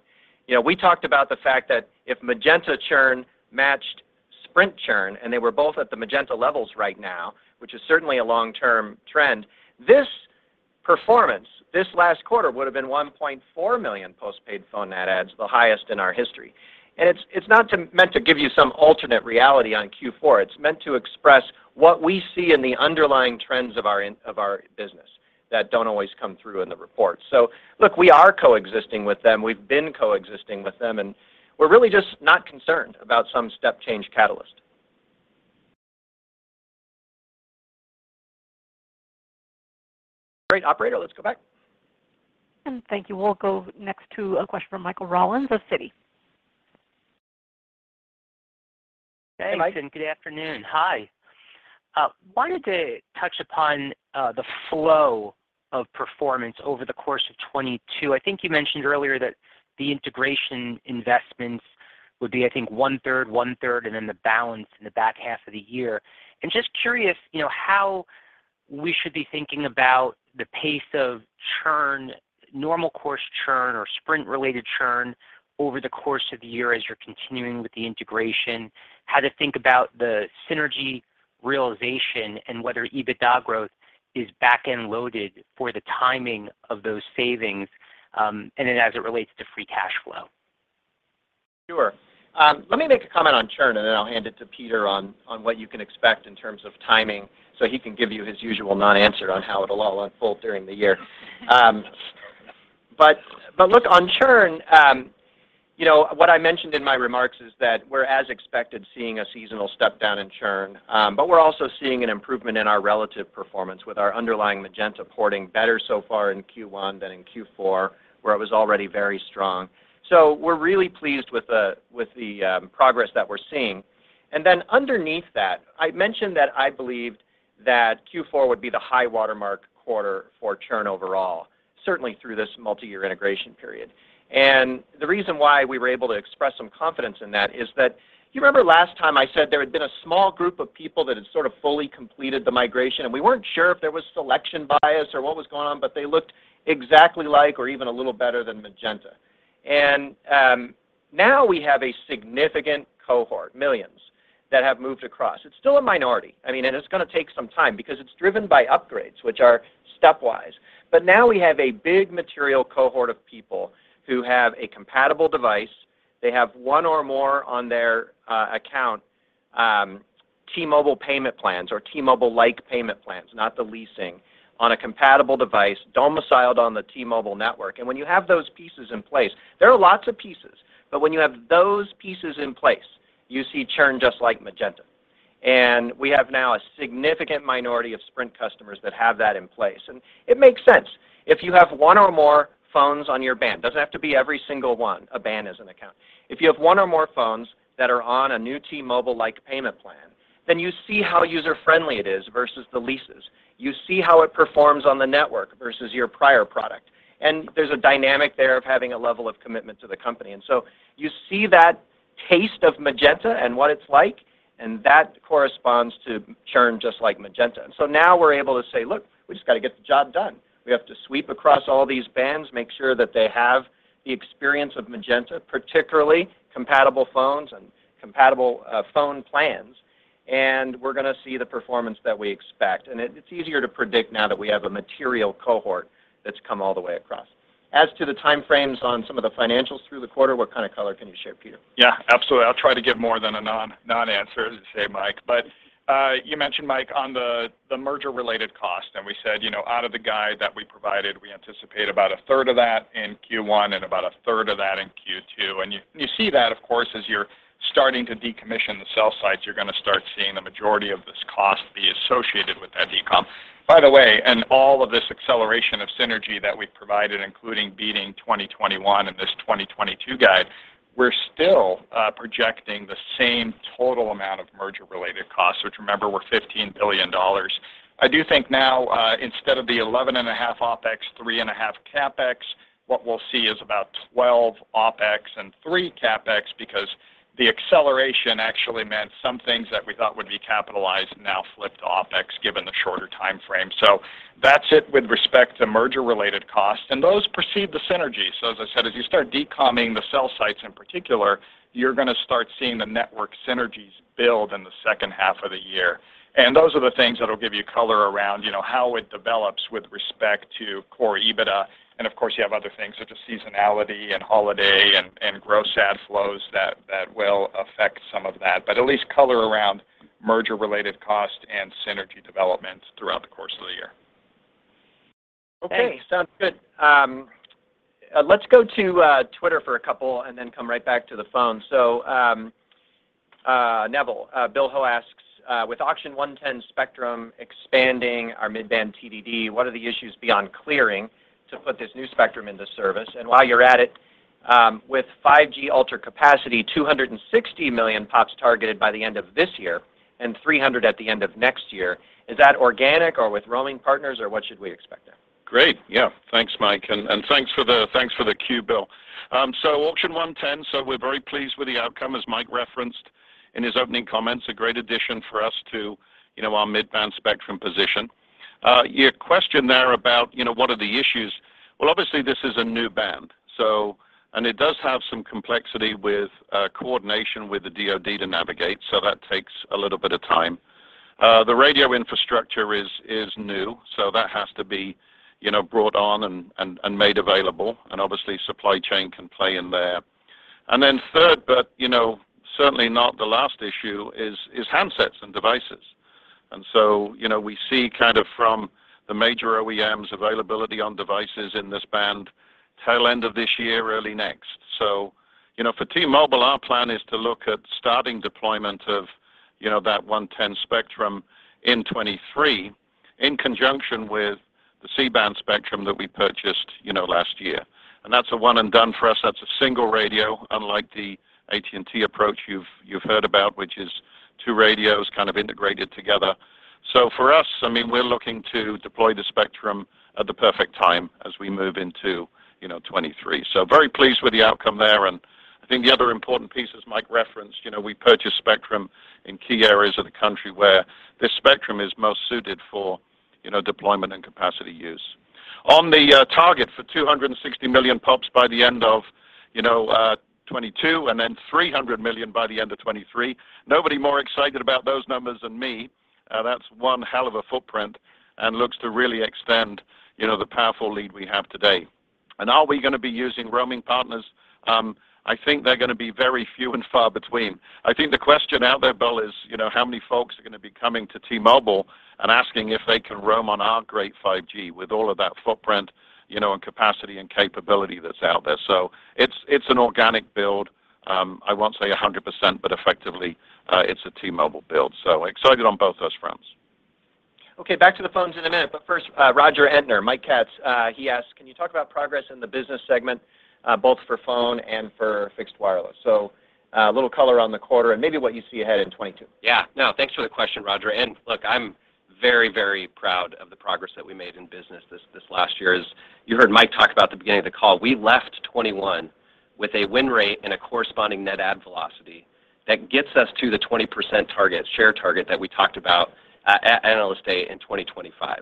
You know, we talked about the fact that if Magenta churn matched Sprint churn, and they were both at the Magenta levels right now, which is certainly a long-term trend, this performance this last quarter would have been 1.4 million postpaid phone net adds, the highest in our history. It's not meant to give you some alternate reality on Q4, it's meant to express what we see in the underlying trends of our business that don't always come through in the report. Look, we are coexisting with them. We've been coexisting with them, and we're really just not concerned about some step change catalyst. Great. Operator, let's go back. Thank you. We'll go next to a question from Michael Rollins of Citi. Hey, Mike. Good afternoon. Hi. Wanted to touch upon the flow of performance over the course of 2022. I think you mentioned earlier that the integration investments would be, I think, one third, one third, and then the balance in the back half of the year. Just curious, you know, how we should be thinking about the pace of churn, normal course churn or Sprint-related churn over the course of the year as you're continuing with the integration, how to think about the synergy realization and whether EBITDA growth is back-end loaded for the timing of those savings, and then as it relates to free cash flow. Sure. Let me make a comment on churn, and then I'll hand it to Peter on what you can expect in terms of timing, so he can give you his usual non-answer on how it'll all unfold during the year. Look on churn, you know, what I mentioned in my remarks is that we're as expected, seeing a seasonal step down in churn, but we're also seeing an improvement in our relative performance with our underlying Magenta porting better so far in Q1 than in Q4, where it was already very strong. We're really pleased with the progress that we're seeing. Underneath that, I mentioned that I believed that Q4 would be the high watermark quarter for churn overall, certainly through this multi-year integration period. The reason why we were able to express some confidence in that is that you remember last time I said there had been a small group of people that had sort of fully completed the migration, and we weren't sure if there was selection bias or what was going on, but they looked exactly like or even a little better than Magenta. Now we have a significant cohort, millions that have moved across. It's still a minority. I mean, it's gonna take some time because it's driven by upgrades, which are stepwise. Now we have a big material cohort of people who have a compatible device. They have one or more on their account, T-Mobile payment plans or T-Mobile-like payment plans, not the leasing on a compatible device domiciled on the T-Mobile network. When you have those pieces in place, there are lots of pieces, but when you have those pieces in place, you see churn just like Magenta. We have now a significant minority of Sprint customers that have that in place. It makes sense. If you have one or more phones on your BAN, doesn't have to be every single one, a BAN is an account. If you have one or more phones that are on a new T-Mobile-like payment plan, then you see how user-friendly it is versus the leases. You see how it performs on the network versus your prior product. There's a dynamic there of having a level of commitment to the company. You see that taste of Magenta and what it's like, and that corresponds to churn just like Magenta. Now we're able to say, look, we just got to get the job done. We have to sweep across all these bands, make sure that they have the experience of Magenta, particularly compatible phones and compatible phone plans, and we're gonna see the performance that we expect. It's easier to predict now that we have a material cohort that's come all the way across. As to the time frames on some of the financials through the quarter, what color can you share, Peter? Yeah, absolutely. I'll try to give more than a non-answer to say, Mike. You mentioned, Mike, on the merger related cost, and we said, you know, out of the guide that we provided, we anticipate about a third of that in Q1 and about a third of that in Q2. You see that, of course, as you're starting to decommission the cell sites, you're gonna start seeing the majority of this cost be associated with that decomm. By the way, in all of this acceleration of synergy that we've provided, including beating 2021 and this 2022 guide, we're still projecting the same total amount of merger related costs, which remember, were $15 billion. I do think now, instead of the $11.5 OpEx, $3.5 CapEx, what we'll see is about $12 OpEx and $3 CapEx because the acceleration actually meant some things that we thought would be capitalized now flipped to OpEx, given the shorter time frame. That's it with respect to merger related costs. Those precede the synergy. As I said, as you start decommissioning the cell sites in particular, you're gonna start seeing the network synergies build in the second half of the year. Those are the things that'll give you color around, you know, how it develops with respect to core EBITDA. Of course, you have other things such as seasonality and holiday and gross add flows that will affect some of that, but at least color around merger-related cost and synergy developments throughout the course of the year. Okay. Sounds good. Let's go to Twitter for a couple and then come right back to the phone. Neville, Bill Ho asks, with Auction 110 spectrum expanding our mid-band TDD, what are the issues beyond clearing to put this new spectrum into service? While you're at it, with 5G Ultra Capacity, 260 million POPs targeted by the end of this year and 300 at the end of next year. Is that organic or with roaming partners or what should we expect there? Great. Yeah. Thanks, Mike. Thanks for the cue, Bill. Auction 110. We're very pleased with the outcome, as Mike referenced in his opening comments, a great addition for us to, you know, our mid-band spectrum position. Your question there about, you know, what are the issues? Well, obviously, this is a new band, so it does have some complexity with coordination with the DoD to navigate. That takes a little bit of time. The radio infrastructure is new, so that has to be, you know, brought on and made available, and obviously, supply chain can play in there. Third, but you know, certainly not the last issue is handsets and devices. You know, we see kind of from the major OEMs availability on devices in this band till end of this year, early next. You know, for T-Mobile, our plan is to look at starting deployment of, you know, that 110 spectrum in 2023 in conjunction with the C-band spectrum that we purchased, you know, last year. That's a one and done for us. That's a single radio, unlike the AT&T approach you've heard about, which is two radios kind of integrated together. For us, I mean, we're looking to deploy the spectrum at the perfect time as we move into, you know, 2023. Very pleased with the outcome there. I think the other important piece, as Mike referenced, you know, we purchased spectrum in key areas of the country where this spectrum is most suited for, you know, deployment and capacity use. On the target for 260 million POPs by the end of, you know, 2022, and then 300 million by the end of 2023, nobody more excited about those numbers than me. That's one hell of a footprint and looks to really extend, you know, the powerful lead we have today. Are we gonna be using roaming partners? I think they're gonna be very few and far between. I think the question out there, Bill, is, you know, how many folks are gonna be coming to T-Mobile and asking if they can roam on our great 5G with all of that footprint, you know, and capacity and capability that's out there. It's an organic build. I won't say 100%, but effectively, it's a T-Mobile build, so excited on both those fronts. Okay, back to the phones in a minute, but first, Roger Entner, Mike Katz. He asked, "Can you talk about progress in the business segment, both for phone and for fixed wireless?" A little color on the quarter and maybe what you see ahead in 2022. Yeah. No, thanks for the question, Roger. Look, I'm very, very proud of the progress that we made in business this last year. As you heard Mike talk about at the beginning of the call, we left 2021 with a win rate and a corresponding net add velocity that gets us to the 20% target, share target, that we talked about at Analyst Day in 2025.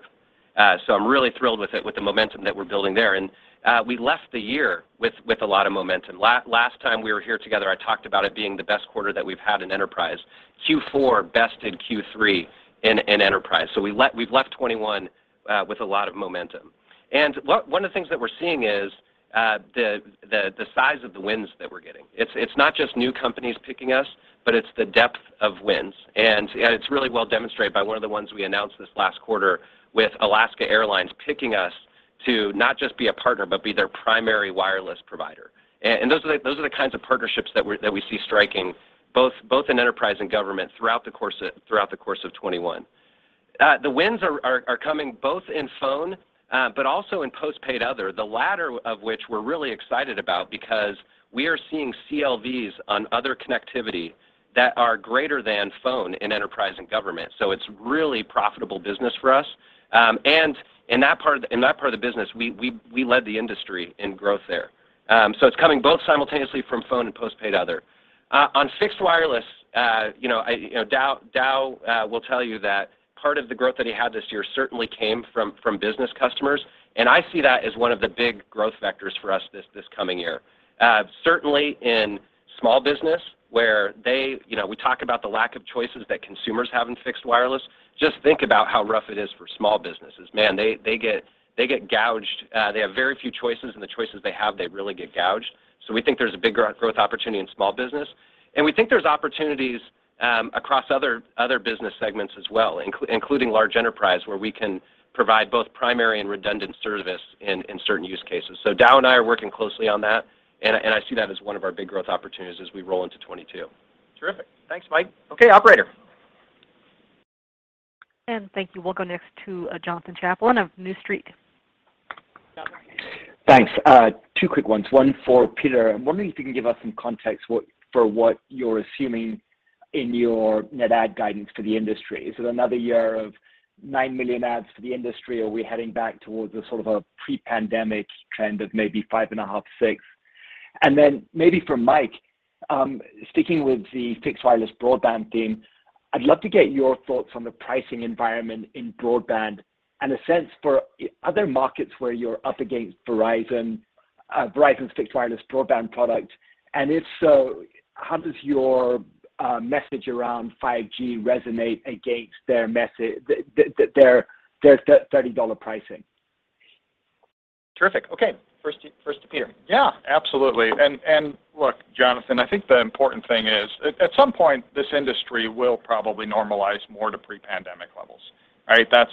I'm really thrilled with the momentum that we're building there. We left the year with a lot of momentum. Last time we were here together, I talked about it being the best quarter that we've had in enterprise. Q4 bested Q3 in enterprise. We've left 2021 with a lot of momentum. One of the things that we're seeing is the size of the wins that we're getting. It's not just new companies picking us, but it's the depth of wins. It's really well demonstrated by one of the ones we announced this last quarter with Alaska Airlines picking us to not just be a partner, but be their primary wireless provider. Those are the kinds of partnerships that we see striking both in enterprise and government throughout the course of 2021. The wins are coming both in phone, but also in postpaid other, the latter of which we're really excited about because we are seeing CLVs on other connectivity that are greater than phone in enterprise and government. It's really profitable business for us. In that part of the business, we led the industry in growth there. So it's coming both simultaneously from phone and postpaid other. On fixed wireless, you know, Dow Draper will tell you that part of the growth that he had this year certainly came from business customers, and I see that as one of the big growth vectors for us this coming year. Certainly in small business. You know, we talk about the lack of choices that consumers have in fixed wireless. Just think about how rough it is for small businesses. Man, they get gouged. They have very few choices, and the choices they have, they really get gouged. We think there's a big growth opportunity in small business, and we think there's opportunities across other business segments as well, including large enterprise, where we can provide both primary and redundant service in certain use cases. Dow and I are working closely on that, and I see that as one of our big growth opportunities as we roll into 2022. Terrific. Thanks, Mike. Okay, operator. Thank you. We'll go next to Jonathan Chaplin of New Street. Thanks. Two quick ones, one for Peter. I'm wondering if you can give us some context for what you're assuming in your net add guidance for the industry. Is it another year of 9 million adds for the industry? Are we heading back towards a sort of a pre-pandemic trend of maybe 5.5, 6? Then maybe for Mike, sticking with the fixed wireless broadband theme, I'd love to get your thoughts on the pricing environment in broadband and a sense for other markets where you're up against Verizon's fixed wireless broadband product. And if so, how does your message around 5G resonate against their $30 pricing? Terrific. Okay. First to Peter. Yeah, absolutely. Look, Jonathan, I think the important thing is at some point, this industry will probably normalize more to pre-pandemic levels. Right? That's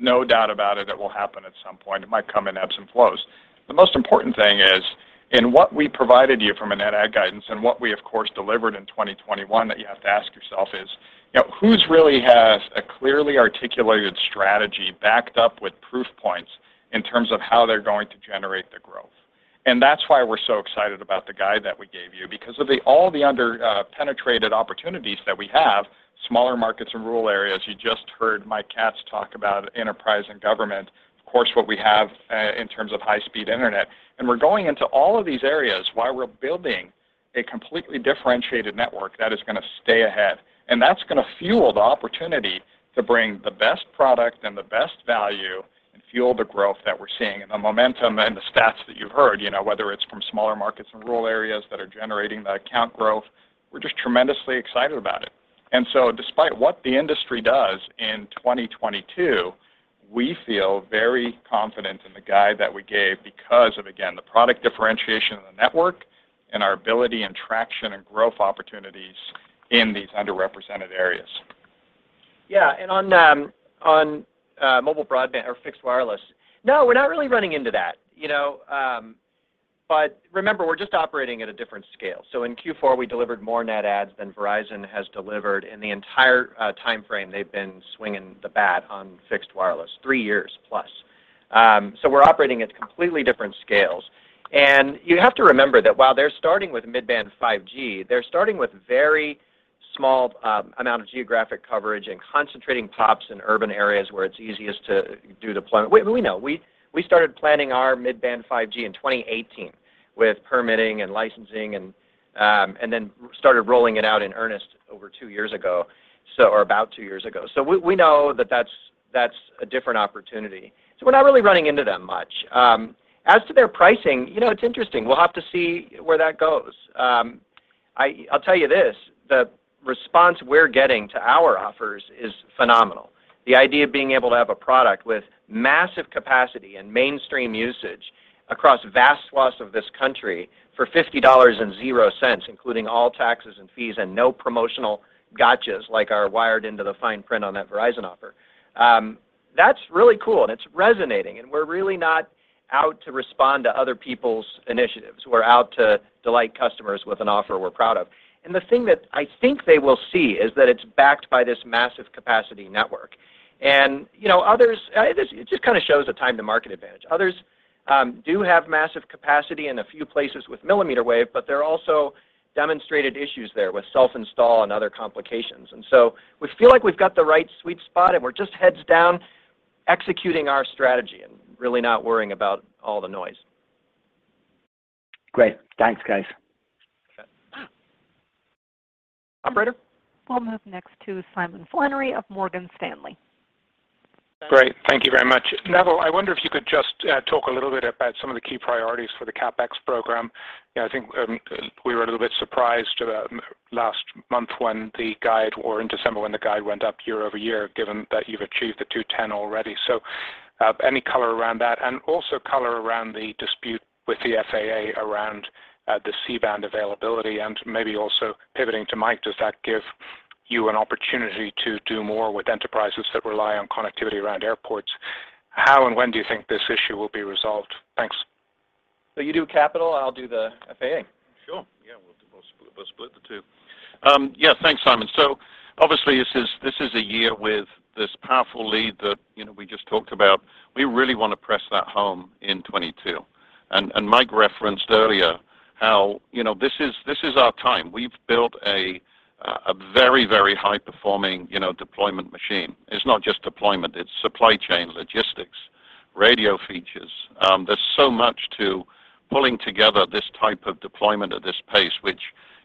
no doubt about it. It will happen at some point. It might come in ebbs and flows. The most important thing is in what we provided you from a net add guidance and what we of course delivered in 2021 that you have to ask yourself is, you know, who's really has a clearly articulated strategy backed up with proof points in terms of how they're going to generate the growth? That's why we're so excited about the guide that we gave you because of all the underpenetrated opportunities that we have, smaller markets and rural areas. You just heard Mike Katz talk about enterprise and government, of course, what we have in terms of high speed internet. We're going into all of these areas while we're building a completely differentiated network that is gonna stay ahead, and that's gonna fuel the opportunity to bring the best product and the best value and fuel the growth that we're seeing and the momentum and the stats that you've heard, you know, whether it's from smaller markets and rural areas that are generating the account growth. We're just tremendously excited about it. Despite what the industry does in 2022, we feel very confident in the guide that we gave because of, again, the product differentiation in the network and our ability and traction and growth opportunities in these underrepresented areas. Yeah. On mobile broadband or fixed wireless, no, we're not really running into that, you know? Remember, we're just operating at a different scale. In Q4, we delivered more net adds than Verizon has delivered in the entire timeframe they've been swinging the bat on fixed wireless, 3 years plus. We're operating at completely different scales. You have to remember that while they're starting with mid-band 5G, they're starting with very small amount of geographic coverage and concentrating pops in urban areas where it's easiest to do deployment. We know. We started planning our mid-band 5G in 2018 with permitting and licensing and then started rolling it out in earnest over 2 years ago, or about 2 years ago. We know that that's a different opportunity. We're not really running into them much. As to their pricing, you know, it's interesting. We'll have to see where that goes. I'll tell you this, the response we're getting to our offers is phenomenal. The idea of being able to have a product with massive capacity and mainstream usage across vast swaths of this country for $50, including all taxes and fees and no promotional gotchas like are wired into the fine print on that Verizon offer, that's really cool, and it's resonating, and we're really not out to respond to other people's initiatives. We're out to delight customers with an offer we're proud of. The thing that I think they will see is that it's backed by this massive capacity network and, you know, others, it just kind of shows the time to market advantage. Others do have massive capacity in a few places with millimeter wave, but there are also demonstrated issues there with self-install and other complications. We feel like we've got the right sweet spot, and we're just heads down executing our strategy and really not worrying about all the noise. Great. Thanks, guys. Okay. Operator? We'll move next to Simon Flannery of Morgan Stanley. Great. Thank you very much. Neville, I wonder if you could just talk a little bit about some of the key priorities for the CapEx program. You know, I think we were a little bit surprised about last month when the guide or in December when the guide went up year-over-year, given that you've achieved the 210 already. Any color around that, and also color around the dispute with the FAA around the C-band availability, and maybe also pivoting to Mike, does that give you an opportunity to do more with enterprises that rely on connectivity around airports? How and when do you think this issue will be resolved? Thanks. You do capital, I'll do the FAA. Sure. Yeah. We'll split the two. Yeah, thanks, Simon. Obviously this is a year with this powerful lead that, you know, we just talked about. We really want to press that home in 2022, and Mike referenced earlier how, you know, this is our time. We've built a very high performing, you know, deployment machine. It's not just deployment, it's supply chain, logistics, radio features. There's so much to pulling together this type of deployment at this pace, which,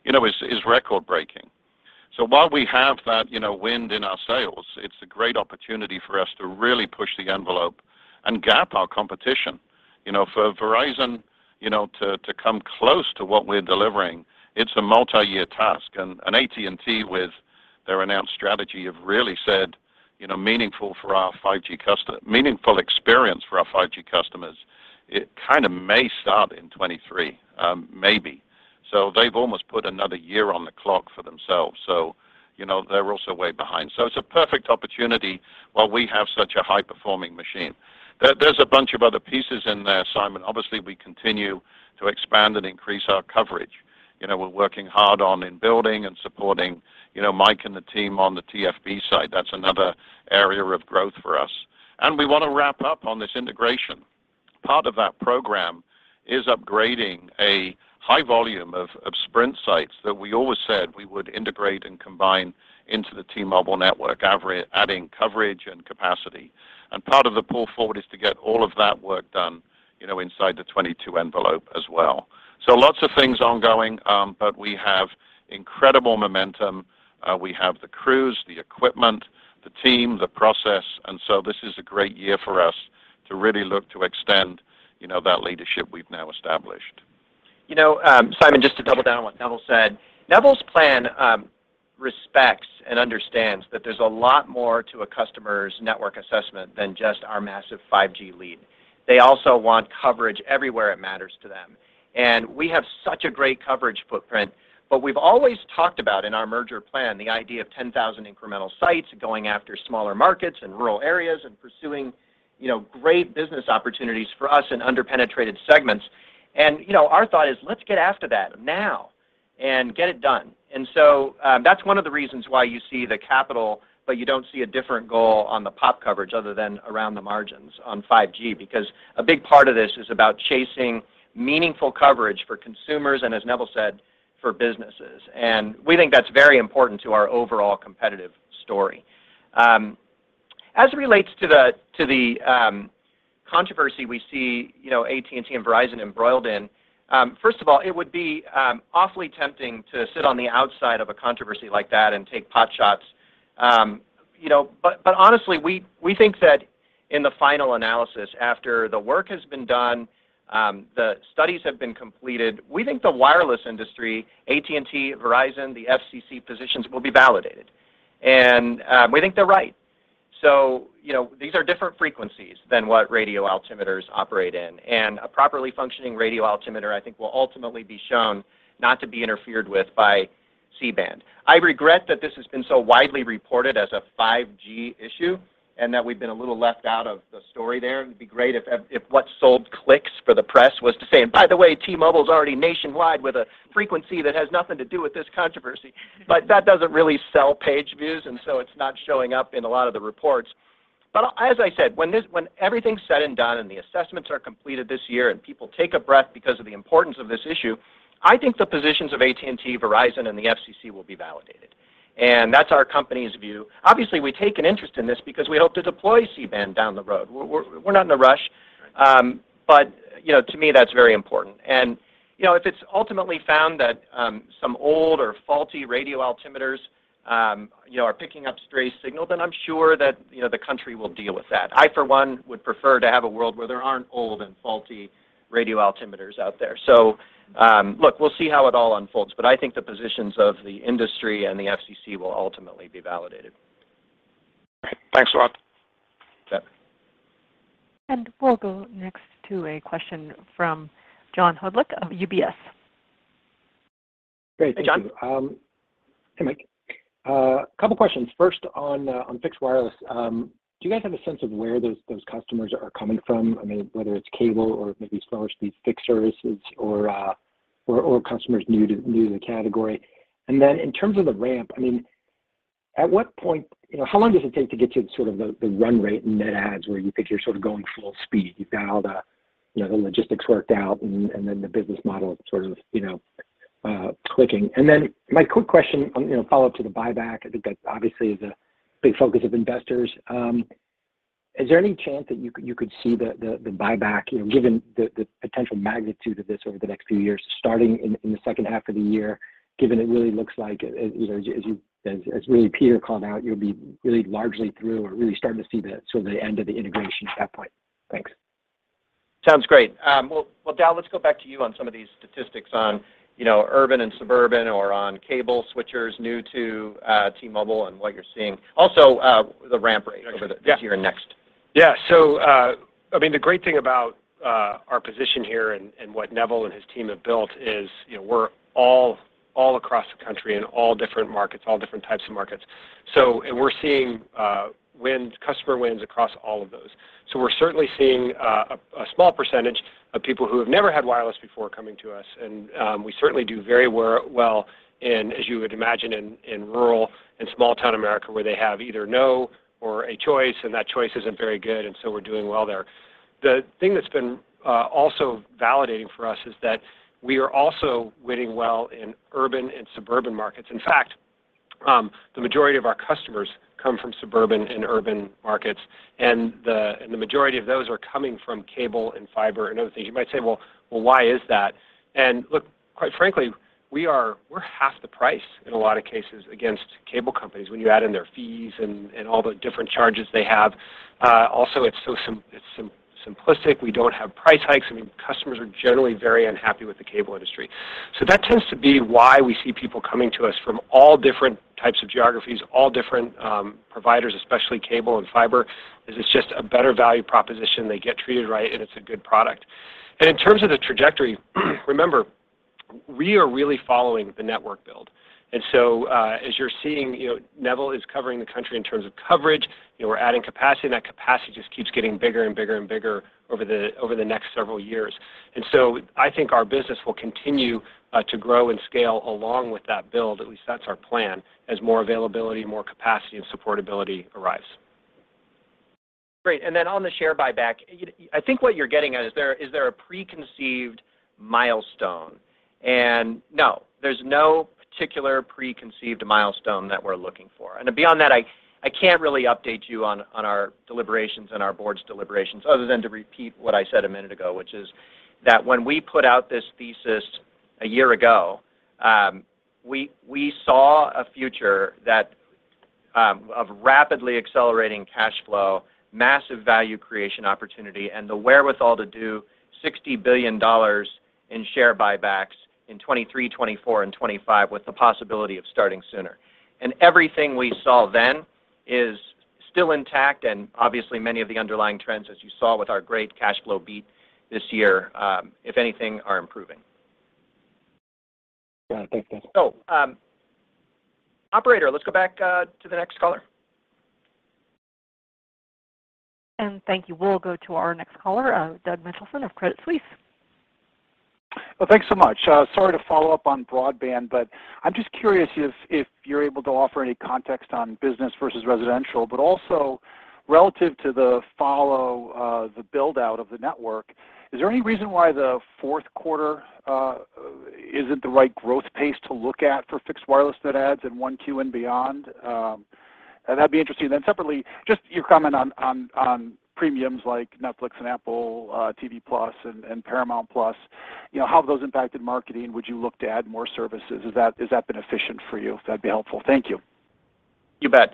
you know, is record-breaking. While we have that, you know, wind in our sails, it's a great opportunity for us to really push the envelope and gap our competition. You know, for Verizon, you know, to come close to what we are delivering, it's a multi-year task. AT&T with their announced strategy have really said, you know, meaningful experience for our 5G customers, it kind of may start in 2023, maybe. They've almost put another year on the clock for themselves, so, you know, they're also way behind. It's a perfect opportunity while we have such a high performing machine. There's a bunch of other pieces in there, Simon. Obviously, we continue to expand and increase our coverage. You know, we're working hard on in-building and supporting, you know, Mike and the team on the TFB side. That's another area of growth for us, and we wanna wrap up on this integration. Part of that program is upgrading a high volume of Sprint sites that we always said we would integrate and combine into the T-Mobile network, adding coverage and capacity. Part of the pull forward is to get all of that work done, you know, inside the 2022 envelope as well. Lots of things ongoing, but we have incredible momentum. We have the crews, the equipment, the team, the process. This is a great year for us to really look to extend, you know, that leadership we've now established. You know, Simon, just to double down on what Neville said, Neville's plan respects and understands that there's a lot more to a customer's network assessment than just our massive 5G lead. They also want coverage everywhere it matters to them, and we have such a great coverage footprint, but we've always talked about in our merger plan, the idea of 10,000 incremental sites going after smaller markets and rural areas and pursuing, you know, great business opportunities for us in under-penetrated segments. You know, our thought is let's get after that now and get it done. That's one of the reasons why you see the capital, but you don't see a different goal on the POP coverage other than around the margins on 5G. Because a big part of this is about chasing meaningful coverage for consumers and, as Neville said, for businesses, and we think that's very important to our overall competitive story. As it relates to the controversy we see, you know, AT&T and Verizon embroiled in, first of all, it would be awfully tempting to sit on the outside of a controversy like that and take potshots. You know, but honestly, we think that in the final analysis, after the work has been done, the studies have been completed, we think the wireless industry, AT&T, Verizon, the FCC positions will be validated, and we think they're right. You know, these are different frequencies than what radio altimeters operate in, and a properly functioning radio altimeter, I think will ultimately be shown not to be interfered with by C-band. I regret that this has been so widely reported as a 5G issue and that we've been a little left out of the story there. It'd be great if what sold clicks for the press was to say, "And by the way, T-Mobile's already nationwide with a frequency that has nothing to do with this controversy." That doesn't really sell page views, and so it's not showing up in a lot of the reports. As I said, when everything's said and done and the assessments are completed this year and people take a breath because of the importance of this issue, I think the positions of AT&T, Verizon, and the FCC will be validated, and that's our company's view. Obviously, we take an interest in this because we hope to deploy C-band down the road. We're not in a rush. You know, to me that's very important. You know, if it's ultimately found that some old or faulty radio altimeters you know, are picking up stray signal, then I'm sure that you know, the country will deal with that. I, for one, would prefer to have a world where there aren't old and faulty radio altimeters out there. Look, we'll see how it all unfolds, but I think the positions of the industry and the FCC will ultimately be validated. Thanks a lot. Yep. We'll go next to a question from John Hodulik of UBS. Hey, John. Hey, Mike. Couple questions. First on fixed wireless. Do you guys have a sense of where those customers are coming from? I mean, whether it's cable or maybe slower speed fixed services or customers new to the category. Then in terms of the ramp, I mean, at what point you know, how long does it take to get to sort of the run rate in net adds where you think you're sort of going full speed? You've got all the, you know, the logistics worked out and then the business model sort of, you know, clicking. Then my quick question on, you know, follow up to the buyback, I think that obviously is a big focus of investors. Is there any chance that you could see the buyback, you know, given the potential magnitude of this over the next few years, starting in the second half of the year, given it really looks like, you know, as really Peter called out, you'll be really largely through or really starting to see the sort of the end of the integration at that point. Thanks. Sounds great. Well, Dal, let's go back to you on some of these statistics on, you know, urban and suburban or on cable switchers new to T-Mobile and what you're seeing. Also, the ramp rate over this year and next. Yeah. I mean, the great thing about our position here and what Neville and his team have built is, you know, we're all across the country in all different markets, all different types of markets. We're seeing wins, customer wins across all of those. We're certainly seeing a small percentage of people who have never had wireless before coming to us. We certainly do very well in, as you would imagine, in rural and small town America, where they have either no or a choice, and that choice isn't very good, and we're doing well there. The thing that's been also validating for us is that we are also winning well in urban and suburban markets. In fact, the majority of our customers come from suburban and urban markets, and the majority of those are coming from cable and fiber and other things. You might say, "Well, why is that?" Look, quite frankly, we're half the price in a lot of cases against cable companies when you add in their fees and all the different charges they have. Also, it's so simplistic. We don't have price hikes. I mean, customers are generally very unhappy with the cable industry. So that tends to be why we see people coming to us from all different types of geographies, all different providers, especially cable and fiber; it's just a better value proposition. They get treated right, and it's a good product. In terms of the trajectory, remember, we are really following the network build. As you're seeing, you know, Neville is covering the country in terms of coverage. You know, we're adding capacity, and that capacity just keeps getting bigger and bigger and bigger over the next several years. I think our business will continue to grow and scale along with that build, at least that's our plan, as more availability, more capacity, and supportability arrives. Great. On the share buyback, I think what you're getting at is there a preconceived milestone? No, there's no particular preconceived milestone that we're looking for. Beyond that, I can't really update you on our deliberations and our board's deliberations other than to repeat what I said a minute ago, which is that when we put out this thesis a year ago, we saw a future of rapidly accelerating cash flow, massive value creation opportunity, and the wherewithal to do $60 billion in share buybacks in 2023, 2024, and 2025, with the possibility of starting sooner. Everything we saw then is still intact and obviously many of the underlying trends, as you saw with our great cash flow beat this year, if anything, are improving. Yeah. Thank you. Operator, let's go back to the next caller. Thank you. We'll go to our next caller, Doug Mitchelson of Credit Suisse. Well, thanks so much. Sorry to follow up on broadband, but I'm just curious if you're able to offer any context on business versus residential, but also relative to the build-out of the network, is there any reason why the fourth quarter isn't the right growth pace to look at for fixed wireless net adds in 1Q and beyond? That'd be interesting. Then separately, just your comment on premiums like Netflix and Apple TV+ and Paramount+, you know, how have those impacted marketing? Would you look to add more services? Is that been efficient for you? That'd be helpful. Thank you. You bet.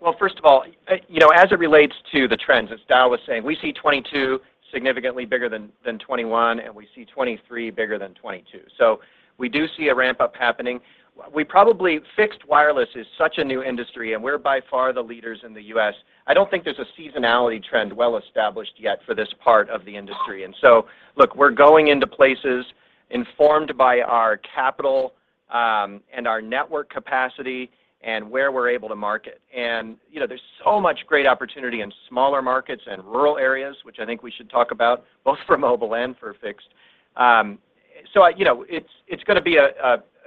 Well, first of all, you know, as it relates to the trends, as Dal was saying, we see 2022 significantly bigger than 2021, and we see 2023 bigger than 2022. We do see a ramp-up happening. Fixed wireless is such a new industry, and we're by far the leaders in the US I don't think there's a seasonality trend well established yet for this part of the industry. Look, we're going into places informed by our capital and our network capacity and where we're able to market. You know, there's so much great opportunity in smaller markets and rural areas, which I think we should talk about both for mobile and for fixed. You know, it's gonna be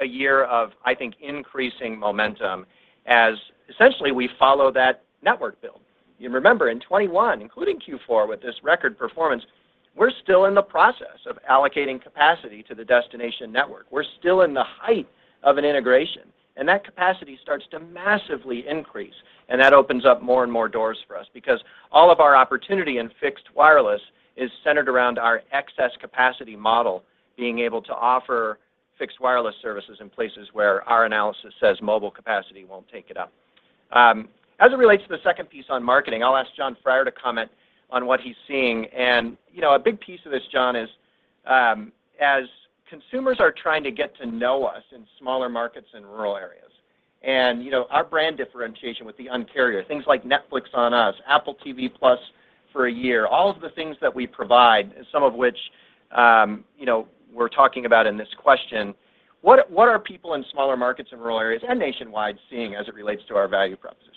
a year of, I think, increasing momentum as essentially we follow that network build. You remember in 2021, including Q4 with this record performance, we're still in the process of allocating capacity to the destination network. We're still in the height of an integration, and that capacity starts to massively increase, and that opens up more and more doors for us because all of our opportunity in fixed wireless is centered around our excess capacity model being able to offer fixed wireless services in places where our analysis says mobile capacity won't take it up. As it relates to the second piece on marketing, I'll ask Jon Freier to comment on what he's seeing. You know, a big piece of this, John, is as consumers are trying to get to know us in smaller markets and rural areas, and, you know, our brand differentiation with the Un-carrier, things like Netflix On Us, Apple TV+ for a year, all of the things that we provide, some of which, you know, we're talking about in this question, what are people in smaller markets and rural areas and nationwide seeing as it relates to our value proposition?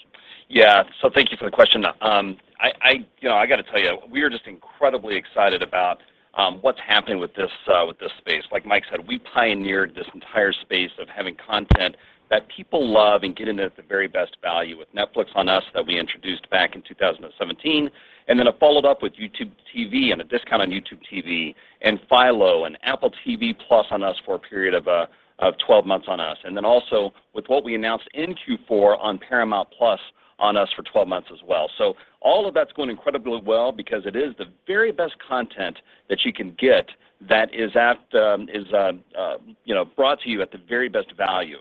Yeah. Thank you for the question. I, you know, I gotta tell you, we are just incredibly excited about what's happening with this space. Like Mike said, we pioneered this entire space of having content that people love and getting it at the very best value with Netflix On Us, that we introduced back in 2017, and then followed up with YouTube TV and a discount on YouTube TV and Philo and Apple TV+ On Us for a period of 12 months on us. Then also with what we announced in Q4 on Paramount+ On Us for 12 months as well. All of that's going incredibly well because it is the very best content that you can get that is, you know, brought to you at the very best value.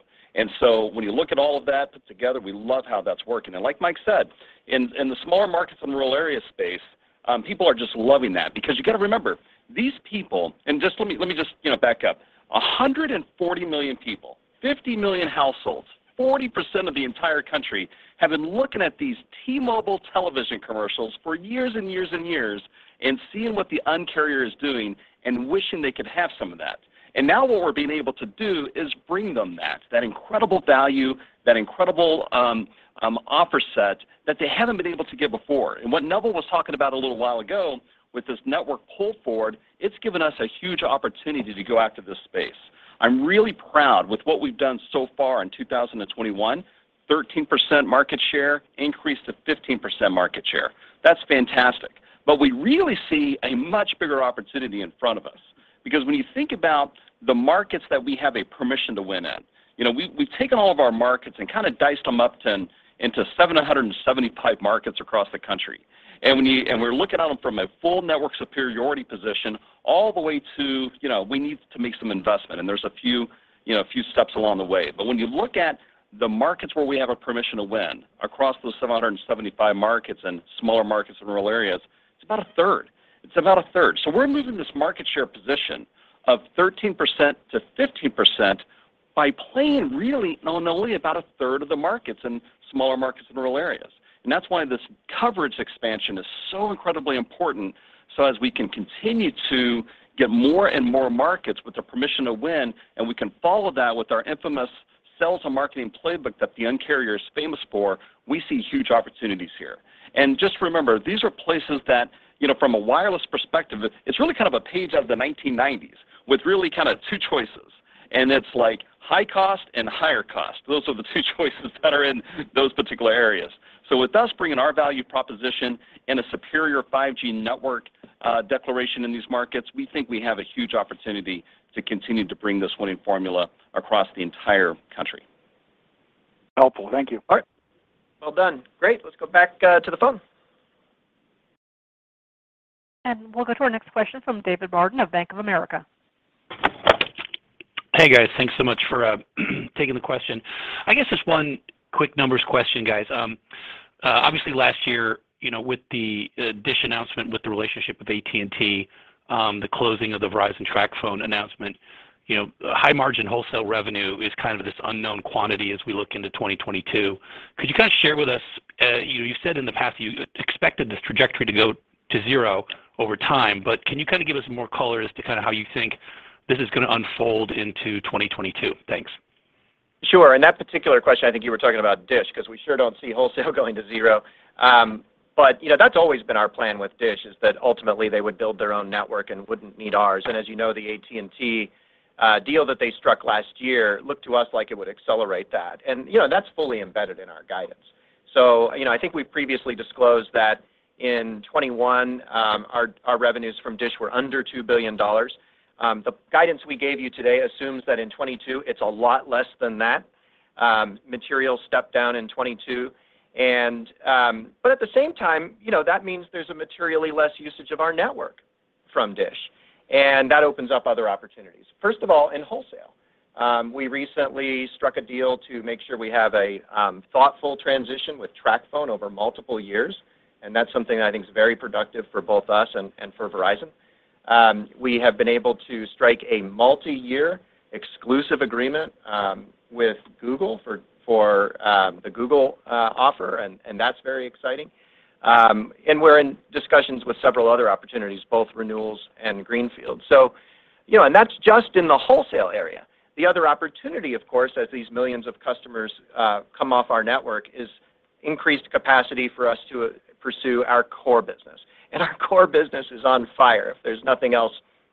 When you look at all of that put together, we love how that's working. Like Mike said, in the smaller markets and rural area space, people are just loving that because you gotta remember these people. Let me just, you know, back up. 140 million people, 50 million households, 40% of the entire country have been looking at these T-Mobile television commercials for years and years and years and seeing what the Un-carrier is doing and wishing they could have some of that. Now what we're being able to do is bring them that incredible value, that incredible offer set that they haven't been able to get before. What Neville was talking about a little while ago with this network pull forward, it's given us a huge opportunity to go after this space. I'm really proud with what we've done so far in 2021, 13% market share increase to 15% market share. That's fantastic. We really see a much bigger opportunity in front of us because when you think about the markets that we have a permission to win in, you know, we've taken all of our markets and kinda diced them up into 775 markets across the country. We're looking at them from a full network superiority position all the way to, you know, we need to make some investment, and there's a few, you know, a few steps along the way. When you look at the markets where we have a position to win across those 775 markets and smaller markets and rural areas, it's about 1/3. It's about 1/3. We're moving this market share position of 13%-15% by playing really on only about 1/3 of the markets and smaller markets and rural areas. That's why this coverage expansion is so incredibly important so as we can continue to get more and more markets with the permission to win, and we can follow that with our infamous sales and marketing playbook that the Un-carrier is famous for, we see huge opportunities here. Just remember, these are places that, you know, from a wireless perspective, it's really kind of a page out of the 1990s with really kinda two choices, and it's like high cost and higher cost. Those are the two choices that are in those particular areas. With us bringing our value proposition and a superior 5G network declaration in these markets, we think we have a huge opportunity to continue to bring this winning formula across the entire country. Helpful. Thank you. All right. Well done. Great. Let's go back to the phone. We'll go to our next question from David Barden of Bank of America. Hey, guys. Thanks so much for taking the question. I guess just one quick numbers question, guys. Obviously last year, you know, with the Dish announcement with the relationship with AT&T, the closing of the Verizon TracFone announcement, you know, high margin wholesale revenue is kind of this unknown quantity as we look into 2022. Could you guys share with us, you said in the past you expected this trajectory to go to zero over time, but can you kinda give us more color as to kinda how you think this is gonna unfold into 2022? Thanks. Sure. In that particular question, I think you were talking about Dish because we sure don't see wholesale going to zero. You know, that's always been our plan with Dish is that ultimately they would build their own network and wouldn't need ours. As you know, the AT&T deal that they struck last year looked to us like it would accelerate that. You know, that's fully embedded in our guidance. You know, I think we've previously disclosed that in 2021 our revenues from Dish were under $2 billion. The guidance we gave you today assumes that in 2022 it's a lot less than that, material step down in 2022. At the same time, you know, that means there's a materially less usage of our network from Dish, and that opens up other opportunities. First of all, in wholesale, we recently struck a deal to make sure we have a thoughtful transition with TracFone over multiple years, and that's something I think is very productive for both us and for Verizon. We have been able to strike a multiyear exclusive agreement with Google for the Google offer and that's very exciting. We're in discussions with several other opportunities, both renewals and greenfield. You know, that's just in the wholesale area. The other opportunity, of course, as these millions of customers come off our network is increased capacity for us to pursue our core business, and our core business is on fire if there's nothing else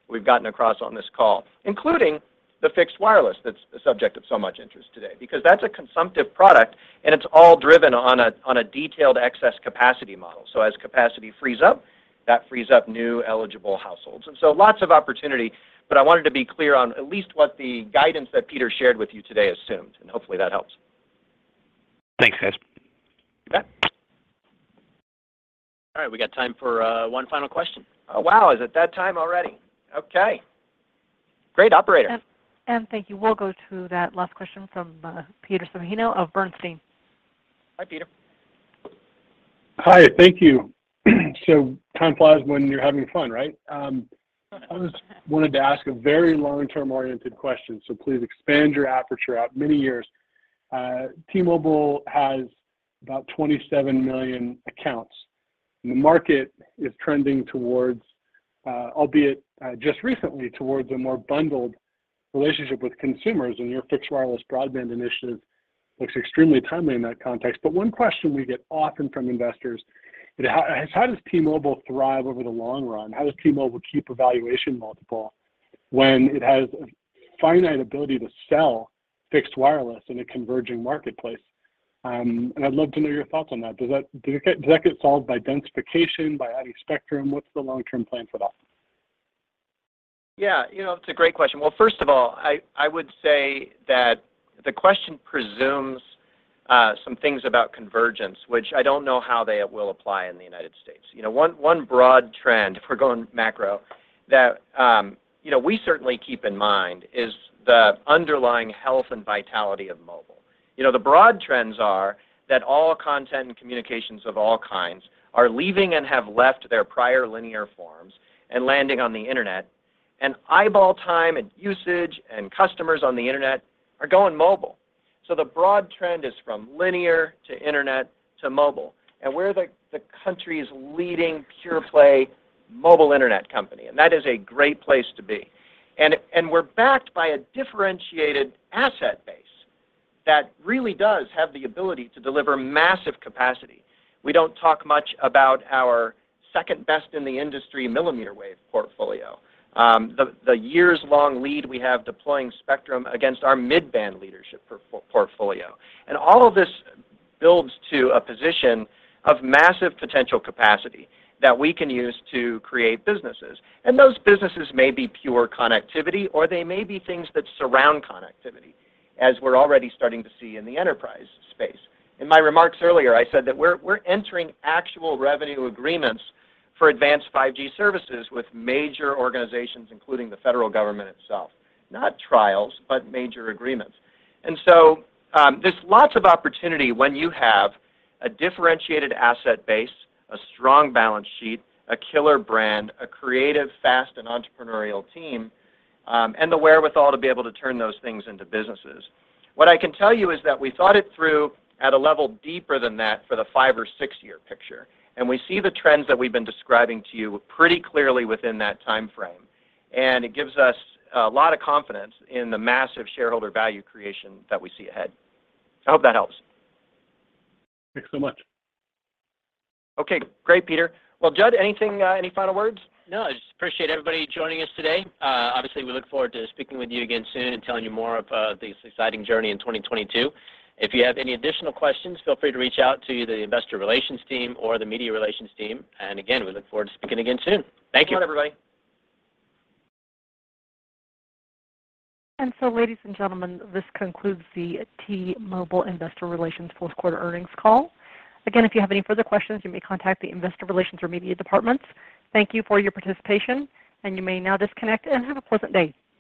we've gotten across on this call, including the fixed wireless that's the subject of so much interest today. Because that's a consumptive product, and it's all driven on a detailed excess capacity model. As capacity frees up, that frees up new eligible households. Lots of opportunity, but I wanted to be clear on at least what the guidance that Peter shared with you today assumed, and hopefully that helps. Thanks, guys. You bet. All right, we got time for, one final question. Oh, wow. Is it that time already? Okay. Great. Operator. Thank you. We'll go to that last question from Peter Supino of Bernstein. Hi, Peter. Hi, thank you. Time flies when you're having fun, right? I just wanted to ask a very long-term oriented question, so please expand your aperture out many years. T-Mobile has about 27 million accounts, and the market is trending towards, albeit, just recently towards a more bundled relationship with consumers, and your fixed wireless broadband initiative looks extremely timely in that context. One question we get often from investors is how does T-Mobile thrive over the long run? How does T-Mobile keep a valuation multiple when it has a finite ability to sell fixed wireless in a converging marketplace? I'd love to know your thoughts on that. Does that get solved by densification, by adding spectrum? What's the long-term plan for that? Yeah. You know, it's a great question. Well, first of all, I would say that the question presumes some things about convergence, which I don't know how they will apply in the United States. You know, one broad trend, if we're going macro, that you know, we certainly keep in mind is the underlying health and vitality of mobile. You know, the broad trends are that all content and communications of all kinds are leaving and have left their prior linear forms and landing on the internet, and eyeball time and usage and customers on the internet are going mobile. The broad trend is from linear to internet to mobile, and we're the country's leading pure play mobile internet company, and that is a great place to be. We're backed by a differentiated asset base that really does have the ability to deliver massive capacity. We don't talk much about our second-best in the industry millimeter wave portfolio, the years-long lead we have deploying spectrum against our mid-band leadership portfolio. All of this builds to a position of massive potential capacity that we can use to create businesses, and those businesses may be pure connectivity, or they may be things that surround connectivity, as we're already starting to see in the enterprise space. In my remarks earlier, I said that we're entering actual revenue agreements for advanced 5G services with major organizations, including the federal government itself. Not trials, but major agreements. There's lots of opportunity when you have a differentiated asset base, a strong balance sheet, a killer brand, a creative, fast, and entrepreneurial team, and the wherewithal to be able to turn those things into businesses. What I can tell you is that we thought it through at a level deeper than that for the 5 or 6-year picture, and we see the trends that we've been describing to you pretty clearly within that timeframe. It gives us a lot of confidence in the massive shareholder value creation that we see ahead. I hope that helps. Thanks so much. Okay. Great, Peter. Well, Jud, anything, any final words? No, I just appreciate everybody joining us today. Obviously we look forward to speaking with you again soon and telling you more of this exciting journey in 2022. If you have any additional questions, feel free to reach out to the investor relations team or the media relations team. Again, we look forward to speaking again soon. Thank you. So long, everybody. Ladies and gentlemen, this concludes the T-Mobile Investor Relations fourth quarter earnings call. Again, if you have any further questions, you may contact the investor relations or media departments. Thank you for your participation, and you may now disconnect and have a pleasant day.